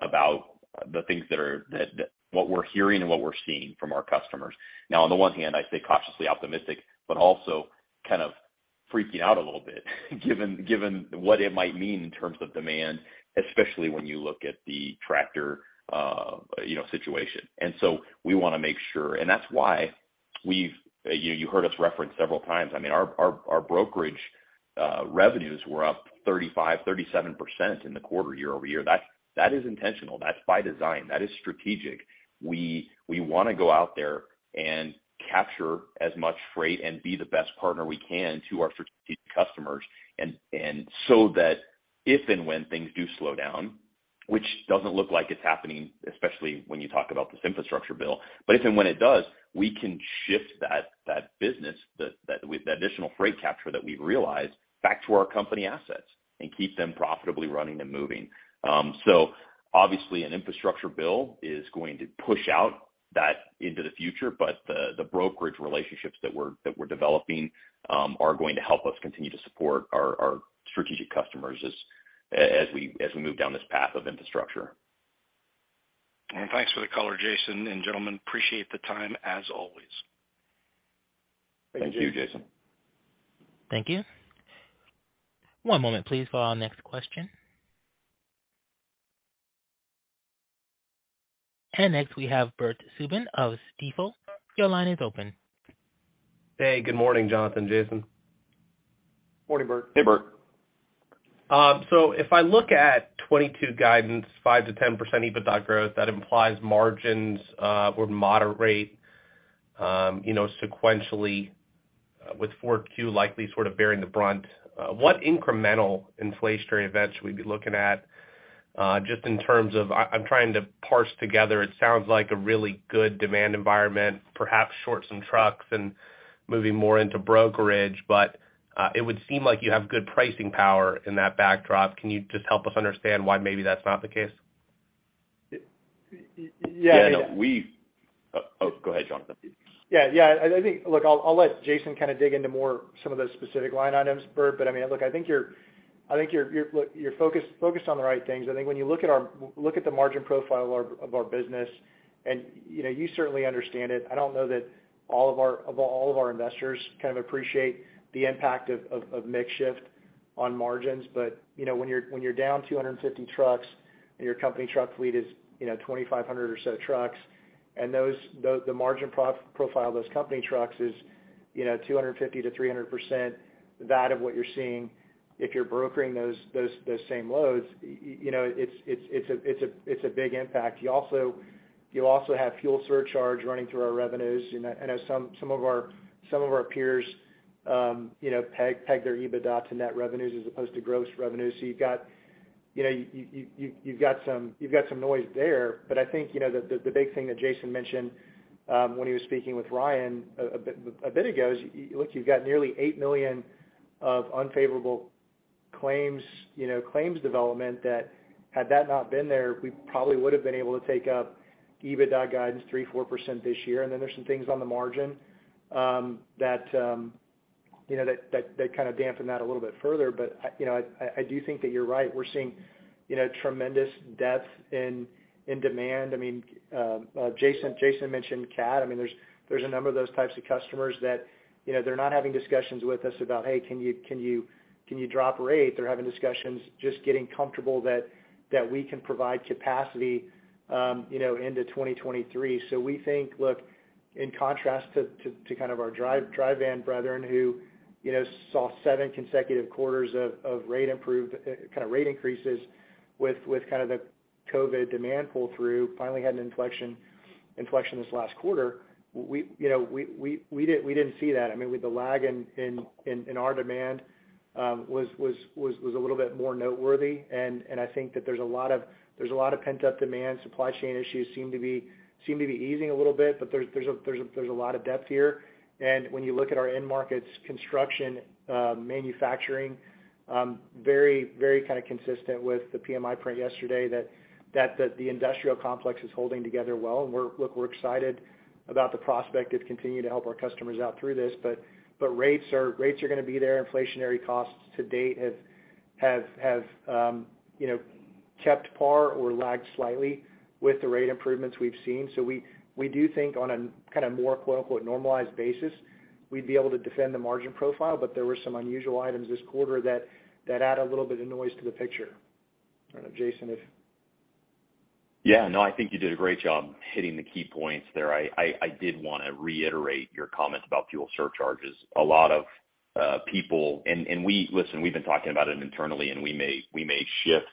about the things that what we're hearing and what we're seeing from our customers. Now, on the one hand, I say cautiously optimistic, but also kind of freaking out a little bit given what it might mean in terms of demand, especially when you look at the tractor situation. We wanna make sure. That's why you heard us reference several times, I mean, our brokerage revenues were up 35%-37% in the quarter year-over-year. That is intentional. That's by design. That is strategic. We wanna go out there and capture as much freight and be the best partner we can to our strategic customers and so that if and when things do slow down, which doesn't look like it's happening, especially when you talk about this infrastructure bill, but if and when it does, we can shift that business with the additional freight capture that we've realized back to our company assets and keep them profitably running and moving. Obviously an infrastructure bill is going to push out that into the future, but the brokerage relationships that we're developing are going to help us continue to support our strategic customers as we move down this path of infrastructure. Thanks for the color, Jason and gentlemen. Appreciate the time as always. Thank you, Jason. Thank you. One moment please for our next question. Next, we have Bert Subin of Stifel. Your line is open. Hey, good morning, Jonathan, Jason. Morning, Bert. Hey, Bert. If I look at 2022 guidance, 5%-10% EBITDA growth, that implies margins would moderate, you know, sequentially with 4Q likely sort of bearing the brunt. What incremental inflationary events should we be looking at, just in terms of? I'm trying to parse together. It sounds like a really good demand environment, perhaps short some trucks and moving more into brokerage. It would seem like you have good pricing power in that backdrop. Can you just help us understand why maybe that's not the case? Go ahead, Jonathan. Yeah. I think, look, I'll let Jason kind of dig into some more of the specific line items, Bert. I mean, look, I think you're focused on the right things. I think when you look at the margin profile of our business, you know, you certainly understand it. I don't know that all of our investors kind of appreciate the impact of mix shift on margins. When you're down 250 trucks and your company truck fleet is, you know, 2,500 or so trucks, and the margin profile of those company trucks is, you know, 250%-300% that of what you're seeing if you're brokering those same loads, you know, it's a big impact. You also have fuel surcharge running through our revenues. I know some of our peers, you know, peg their EBITDA to net revenues as opposed to gross revenues. You've got, you know, you've got some noise there. I think, the big thing that Jason mentioned when he was speaking with Ryan a bit ago is, look, you've got nearly $8 million of unfavorable claims, you know, claims development that had that not been there, we probably would've been able to take up EBITDA guidance 3%-4% this year. Then there's some things on the margin that, that kind of dampen that a little bit further. I, you know, I do think that you're right. We're seeing, you know, tremendous depth in demand. I mean, Jason mentioned Caterpillar. I mean, there's a number of those types of customers that, you know, they're not having discussions with us about, "Hey, can you drop rate?" They're having discussions just getting comfortable that we can provide capacity, into 2023. We think, look, in contrast to kind of our dry van brethren who, you know, saw 7 consecutive quarters of rate improvement, kind of rate increases with kind of the COVID demand pull through, finally had an inflection this last quarter. We didn't see that. I mean, with the lag in our demand was a little bit more noteworthy. I think that there's a lot of pent-up demand. Supply chain issues seem to be easing a little bit, but there's a lot of depth here. When you look at our end markets, construction, manufacturing, very kind of consistent with the PMI print yesterday that the industrial complex is holding together well. We're excited about the prospect of continuing to help our customers out through this. Rates are gonna be there. Inflationary costs to date have kept pace or lagged slightly with the rate improvements we've seen. We do think on a kind of more quote-unquote normalized basis, we'd be able to defend the margin profile. There were some unusual items this quarter that add a little bit of noise to the picture. I don't know, Jason, if Yeah, no, I think you did a great job hitting the key points there. I did want to reiterate your comments about fuel surcharges. A lot of people and we've been talking about it internally, and we may shift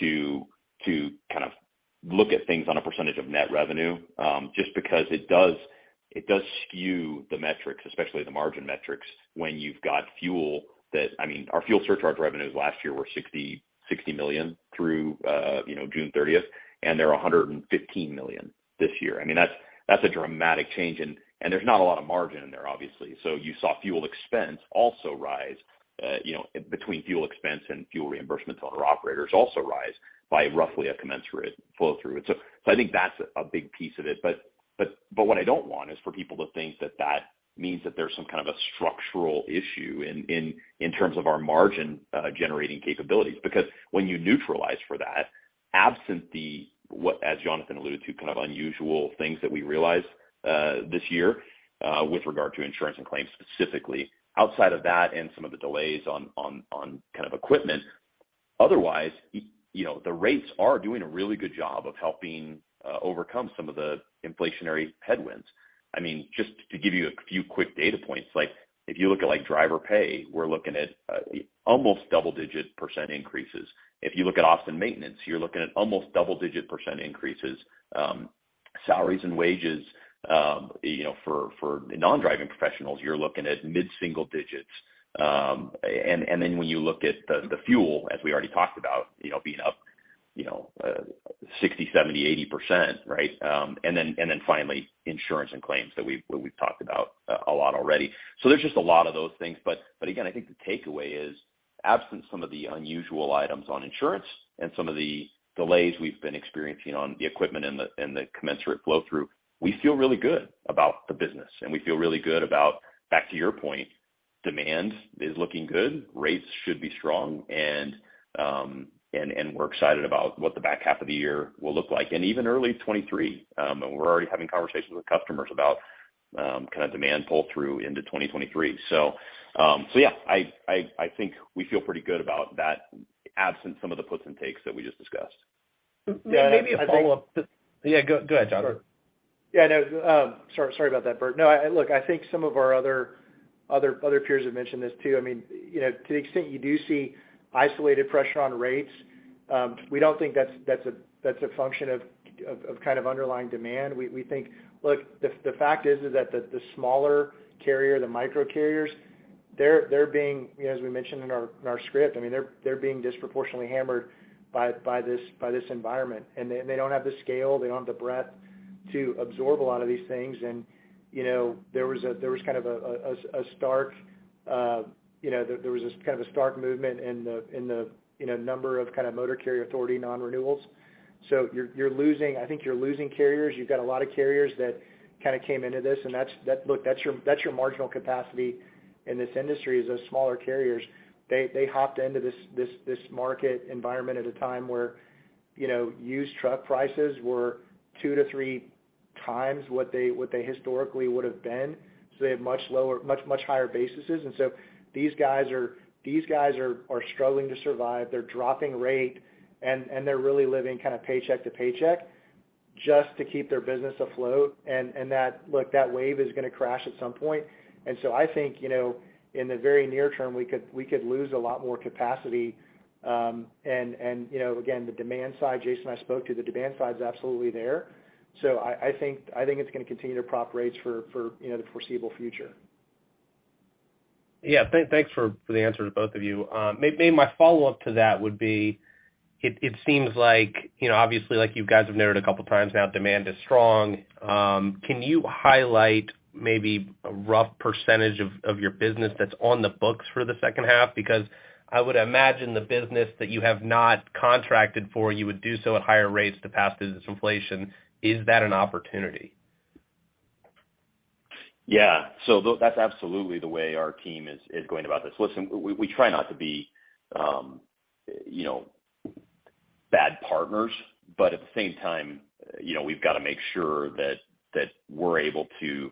to kind of look at things on a percentage of net revenue, just because it does skew the metrics, especially the margin metrics, when you've got fuel that I mean, our fuel surcharge revenues last year were $60 million through, you know, June thirtieth, and they're $115 million this year. I mean, that's a dramatic change. There's not a lot of margin in there, obviously. You saw fuel expense also rise. You know, between fuel expense and fuel reimbursements to owner-operators also rise by roughly a commensurate flow through. I think that's a big piece of it. But what I don't want is for people to think that that means that there's some kind of a structural issue in terms of our margin generating capabilities. Because when you neutralize for that, absent the what as Jonathan alluded to, kind of unusual things that we realized this year with regard to insurance and claims specifically, outside of that and some of the delays on kind of equipment. Otherwise, the rates are doing a really good job of helping overcome some of the inflationary headwinds. I mean, just to give you a few quick data points, like if you look at like driver pay, we're looking at almost double-digit % increases. If you look at Austin Maintenance, you're looking at almost double-digit % increases, Salaries and wages, or non-driving professionals, you're looking at mid-single digits. And then when you look at the fuel as we already talked about, you know, being up, you know, 60, 70, 80%, right? And then finally insurance and claims that we've talked about a lot already. There's just a lot of those things. Again, I think the takeaway is absent some of the unusual items on insurance and some of the delays we've been experiencing on the equipment and the commensurate flow through. We feel really good about the business and we feel really good about, back to your point, demand is looking good, rates should be strong, and we're excited about what the back half of the year will look like. Even early 2023, we're already having conversations with customers about kind of demand pull through into 2023. Yeah, I think we feel pretty good about that absent some of the puts and takes that we just discussed. Yeah, I think. Yeah. Go ahead, John. Yeah, no. Sorry about that, Bert. No, look, I think some of our other peers have mentioned this too. I mean, to the extent you do see isolated pressure on rates, we don't think that's a function of kind of underlying demand. We think. Look, the fact is that the smaller carrier, the microcarriers, they're being, you know, as we mentioned in our script, I mean, they're being disproportionately hammered by this environment. They don't have the scale, they don't have the breadth to absorb a lot of these things. There was kind of a stark movement in the number of motor carrier authority nonrenewals. You're losing carriers. I think you're losing carriers. You've got a lot of carriers that kind of came into this, and that's your marginal capacity in this industry is those smaller carriers. They hopped into this market environment at a time where used truck prices were 2-3 times what they historically would've been. They have much higher bases. These guys are struggling to survive. They're dropping rate and they're really living kind of paycheck to paycheck just to keep their business afloat. That, look, that wave is gonna crash at some point. I think, you know, in the very near term, we could lose a lot more capacity. Again, the demand side Jason and I spoke to, the demand side is absolutely there. I think it's gonna continue to prop rates for you know, the foreseeable future. Yeah. Thanks for the answer to both of you. Maybe my follow-up to that would be it seems like, you know, obviously, like you guys have noted a couple of times now, demand is strong. Can you highlight maybe a rough percentage of your business that's on the books for the second half? Because I would imagine the business that you have not contracted for, you would do so at higher rates to pass business inflation. Is that an opportunity? Yeah. That's absolutely the way our team is going about this. Listen, we try not to be, you know, bad partners, but at the same time, you know, we've got to make sure that we're able to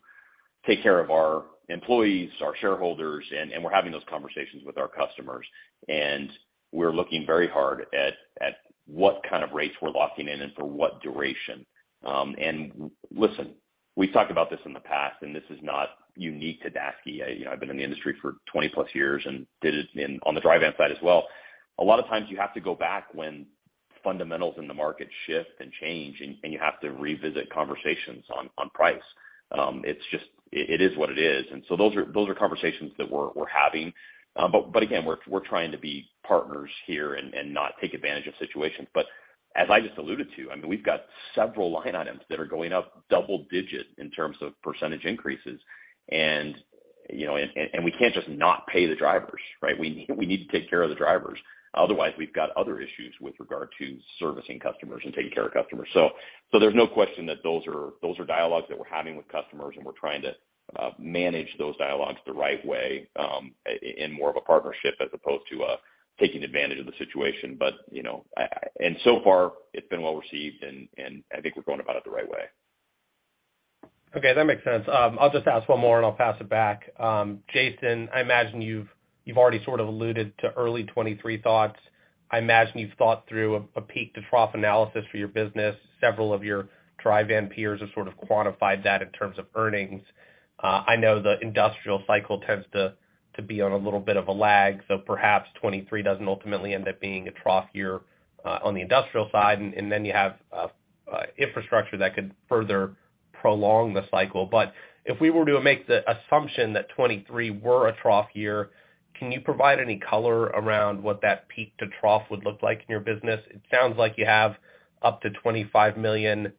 take care of our employees, our shareholders, and we're having those conversations with our customers. We're looking very hard at what kind of rates we're locking in and for what duration. Listen, we've talked about this in the past, and this is not unique to Daseke. I've been in the industry for 20-plus years and did it in, on the dry van side as well. A lot of times you have to go back when fundamentals in the market shift and change, and you have to revisit conversations on price. It is what it is. Those are conversations that we're having. But again, we're trying to be partners here and not take advantage of situations. But as I just alluded to, I mean, we've got several line items that are going up double-digit in terms of percentage increases. We can't just not pay the drivers, right? We need to take care of the drivers. Otherwise, we've got other issues with regard to servicing customers and taking care of customers. There's no question that those are dialogues that we're having with customers, and we're trying to manage those dialogues the right way, in more of a partnership as opposed to taking advantage of the situation. You know, and so far it's been well received and I think we're going about it the right way. Okay, that makes sense. I'll just ask one more and I'll pass it back. Jason, I imagine you've already sort of alluded to early 2023 thoughts. I imagine you've thought through a peak-to-trough analysis for your business. Several of your dry van peers have sort of quantified that in terms of earnings. I know the industrial cycle tends to be on a little bit of a lag, so perhaps 2023 doesn't ultimately end up being a trough year on the industrial side, and then you have infrastructure that could further prolong the cycle. If we were to make the assumption that 2023 were a trough year, can you provide any color around what that peak to trough would look like in your business? It sounds like you have up to $25 million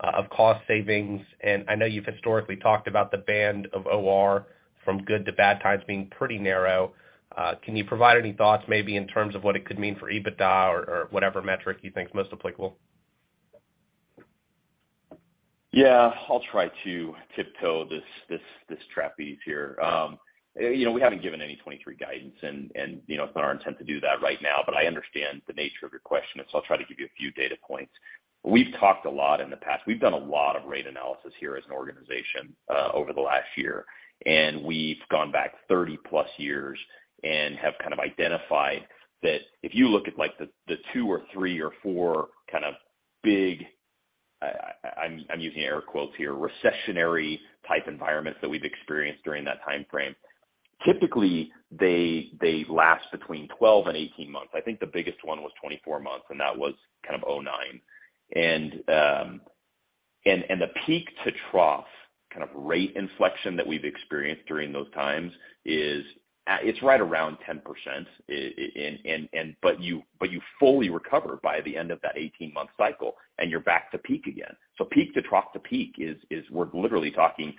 of cost savings, and I know you've historically talked about the band of OR from good to bad times being pretty narrow. Can you provide any thoughts maybe in terms of what it could mean for EBITDA or whatever metric you think is most applicable? Yeah. I'll try to tiptoe this trapeze here. You know, we haven't given any 2023 guidance and, you know, it's not our intent to do that right now, but I understand the nature of your question, and so I'll try to give you a few data points. We've talked a lot in the past. We've done a lot of rate analysis here as an organization over the last year, and we've gone back 30-plus years and have kind of identified that if you look at like the two or three or four kind of big, I'm using air quotes here, "recessionary" type environments that we've experienced during that timeframe. Typically they last between 12 and 18 months. I think the biggest one was 24 months, and that was kind of 2009. The peak to trough kind of rate inflection that we've experienced during those times is—it's right around 10%, but you fully recover by the end of that 18-month cycle and you're back to peak again. Peak to trough to peak is we're literally talking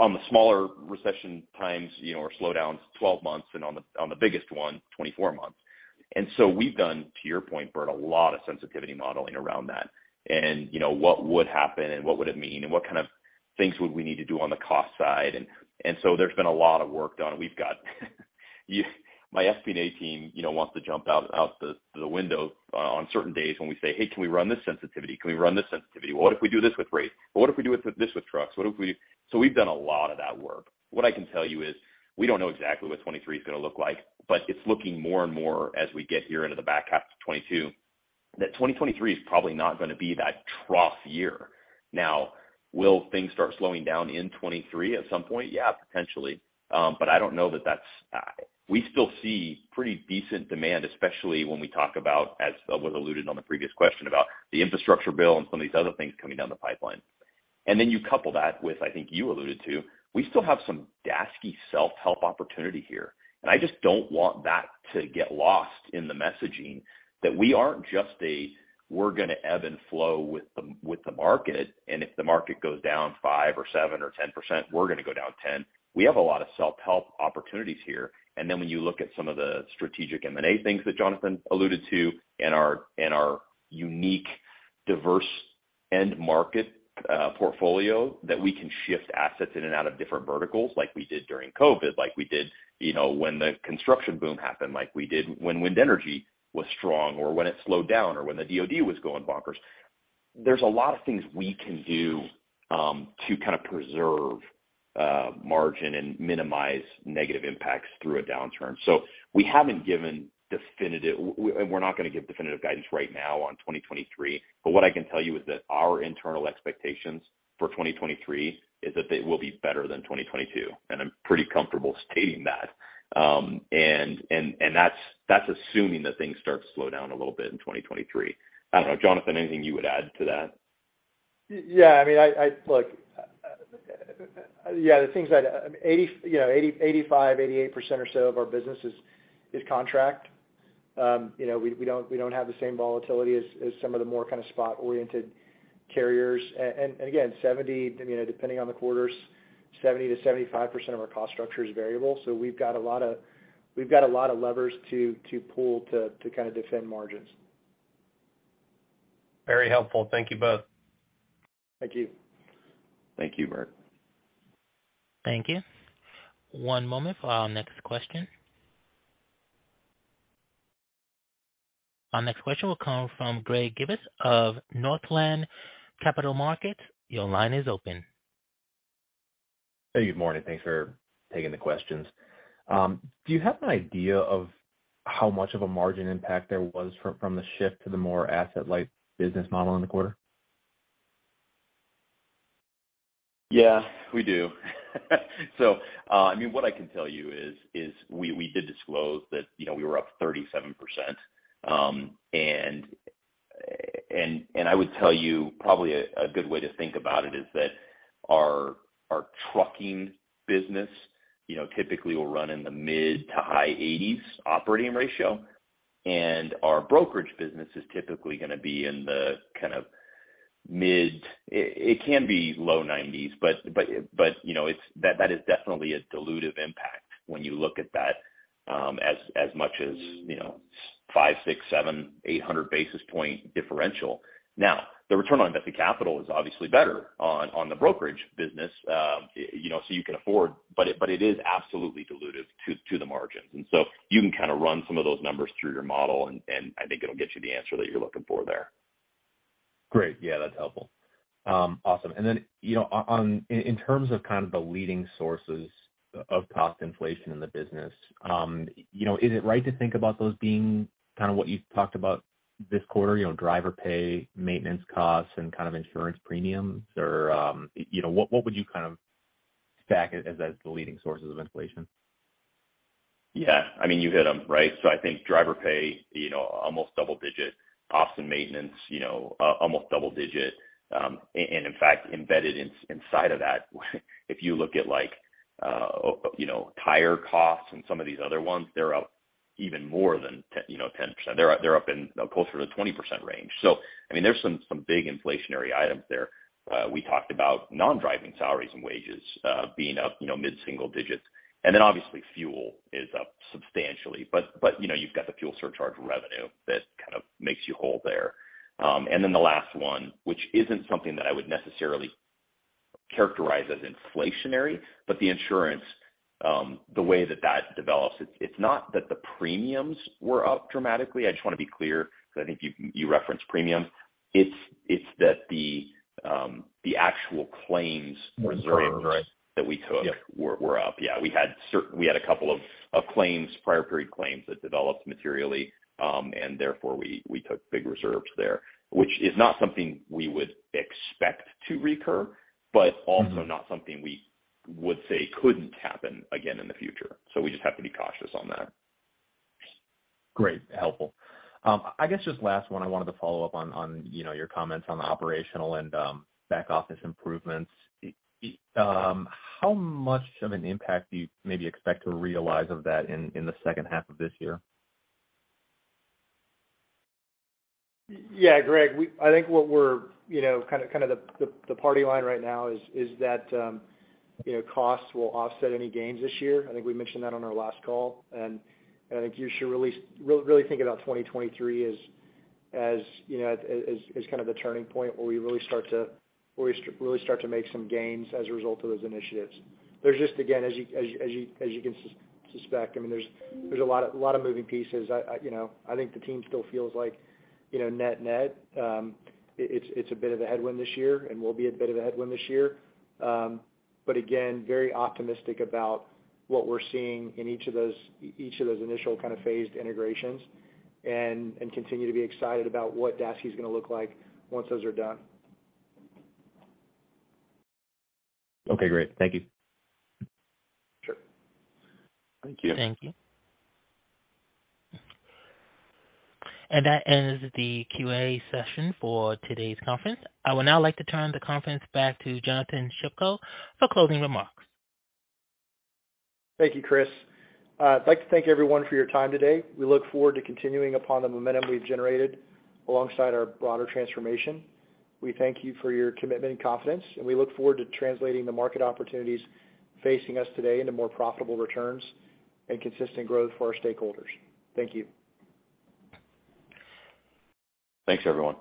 on the smaller recession times, you know, or slowdowns, 12 months and on the biggest one, 24 months. We've done, to your point, Bert, a lot of sensitivity modeling around that. You know, what would happen and what would it mean, and what kind of things would we need to do on the cost side. There's been a lot of work done. My FP&A team, you know, wants to jump out the window on certain days when we say, "Hey, can we run this sensitivity? What if we do this with rates? What if we do this with trucks? What if we." We've done a lot of that work. What I can tell you is we don't know exactly what 2023 is gonna look like, but it's looking more and more as we get here into the back half of 2022 that 2023 is probably not gonna be that trough year. Now, will things start slowing down in 2023 at some point? Yeah, potentially. I don't know that that's. We still see pretty decent demand, especially when we talk about, as was alluded to in the previous question about the infrastructure bill and some of these other things coming down the pipeline. Then you couple that with, I think you alluded to, we still have some Daseke self-help opportunity here. I just don't want that to get lost in the messaging that we aren't just a, we're gonna ebb and flow with the market, and if the market goes down 5% or 7% or 10%, we're gonna go down 10%. We have a lot of self-help opportunities here. When you look at some of the strategic M&A things that Jonathan alluded to and our unique diverse end market portfolio that we can shift assets in and out of different verticals like we did during COVID, like we did, you know, when the construction boom happened, like we did when wind energy was strong or when it slowed down or when the DoD was going bonkers. There's a lot of things we can do to kind of preserve margin and minimize negative impacts through a downturn. We're not gonna give definitive guidance right now on 2023, but what I can tell you is that our internal expectations for 2023 is that they will be better than 2022, and I'm pretty comfortable stating that. That's assuming that things start to slow down a little bit in 2023. I don't know. Jonathan, anything you would add to that? Yeah. I mean, look, yeah, the thing is that 85-88% or so of our business is contract. We don't have the same volatility as some of the more kind of spot-oriented carriers. Again, depending on the quarters, 70-75% of our cost structure is variable. We've got a lot of levers to pull to kind of defend margins. Very helpful. Thank you both. Thank you. Thank you, Bert. Thank you. One moment for our next question. Our next question will come from Greg Gibas of Northland Capital Markets. Your line is open. Hey, good morning. Thanks for taking the questions. Do you have an idea of how much of a margin impact there was from the shift to the more asset-light business model in the quarter? Yeah, we do. I mean, what I can tell you is we did disclose that, you know, we were up 37%. I would tell you probably a good way to think about it is that our trucking business, you know, typically will run in the mid- to high-80s operating ratio, and our brokerage business is typically gonna be in the kind of low-90s, but you know, it is definitely a dilutive impact when you look at that, as much as, you know, 500, 600, 700, 800 basis points differential. Now, the Return on Invested Capital is obviously better on the brokerage business, so you can afford. But it is absolutely dilutive to the margins. You can kind of run some of those numbers through your model, and I think it'll get you the answer that you're looking for there. Great. Yeah, that's helpful. Awesome. Then, you know, in terms of kind of the leading sources of cost inflation in the business, you know, is it right to think about those being kind of what you've talked about this quarter, you know, driver pay, maintenance costs and kind of insurance premiums? Or, what would you kind of stack as the leading sources of inflation? Yeah. I mean, you hit them, right? I think driver pay, you know, almost double-digit. Costs and maintenance, you know, almost double-digit. In fact, embedded inside of that, if you look at like, you know, tire costs and some of these other ones, they're up even more than 10, you know, 10%. They're up in closer to 20% range. I mean, there's some big inflationary items there. We talked about non-driving salaries and wages being up, you know, mid-single digits. Then obviously fuel is up substantially. You know, you've got the fuel surcharge revenue that kind of makes you whole there. The last one, which isn't something that I would necessarily characterize as inflationary, but the insurance, the way that that develops, it's not that the premiums were up dramatically. I just want to be clear because I think you referenced premiums. It's that the actual claims reserves- Reserves, right. that we took. Yep We were up. Yeah. We had a couple of claims, prior period claims that developed materially, and therefore we took big reserves there, which is not something we would expect to recur, but also not something we would say couldn't happen again in the future. We just have to be cautious on that. Great, helpful. I guess just last one I wanted to follow up on, you know, your comments on the operational and back office improvements. How much of an impact do you maybe expect to realize of that in the second half of this year? Yeah, Greg, I think what we're, you know, kinda the party line right now is that, you know, costs will offset any gains this year. I think we mentioned that on our last call, and I think you should really think about 2023 as, you know, as kind of a turning point where we really start to make some gains as a result of those initiatives. There's just, again, as you can suspect, I mean, there's a lot of moving pieces. I, you know, I think the team still feels like, you know, net, it's a bit of a headwind this year and will be a bit of a headwind this year. Again, very optimistic about what we're seeing in each of those initial kind of phased integrations and continue to be excited about what Daseke's gonna look like once those are done. Okay, great. Thank you. Sure. Thank you. Thank you. That ends the QA session for today's conference. I would now like to turn the conference back to Jonathan Shepko for closing remarks. Thank you, Chris. I'd like to thank everyone for your time today. We look forward to continuing upon the momentum we've generated alongside our broader transformation. We thank you for your commitment and confidence, and we look forward to translating the market opportunities facing us today into more profitable returns and consistent growth for our stakeholders. Thank you. Thanks, everyone.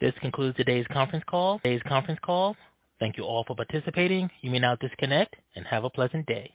This concludes today's conference call. Thank you all for participating. You may now disconnect and have a pleasant day.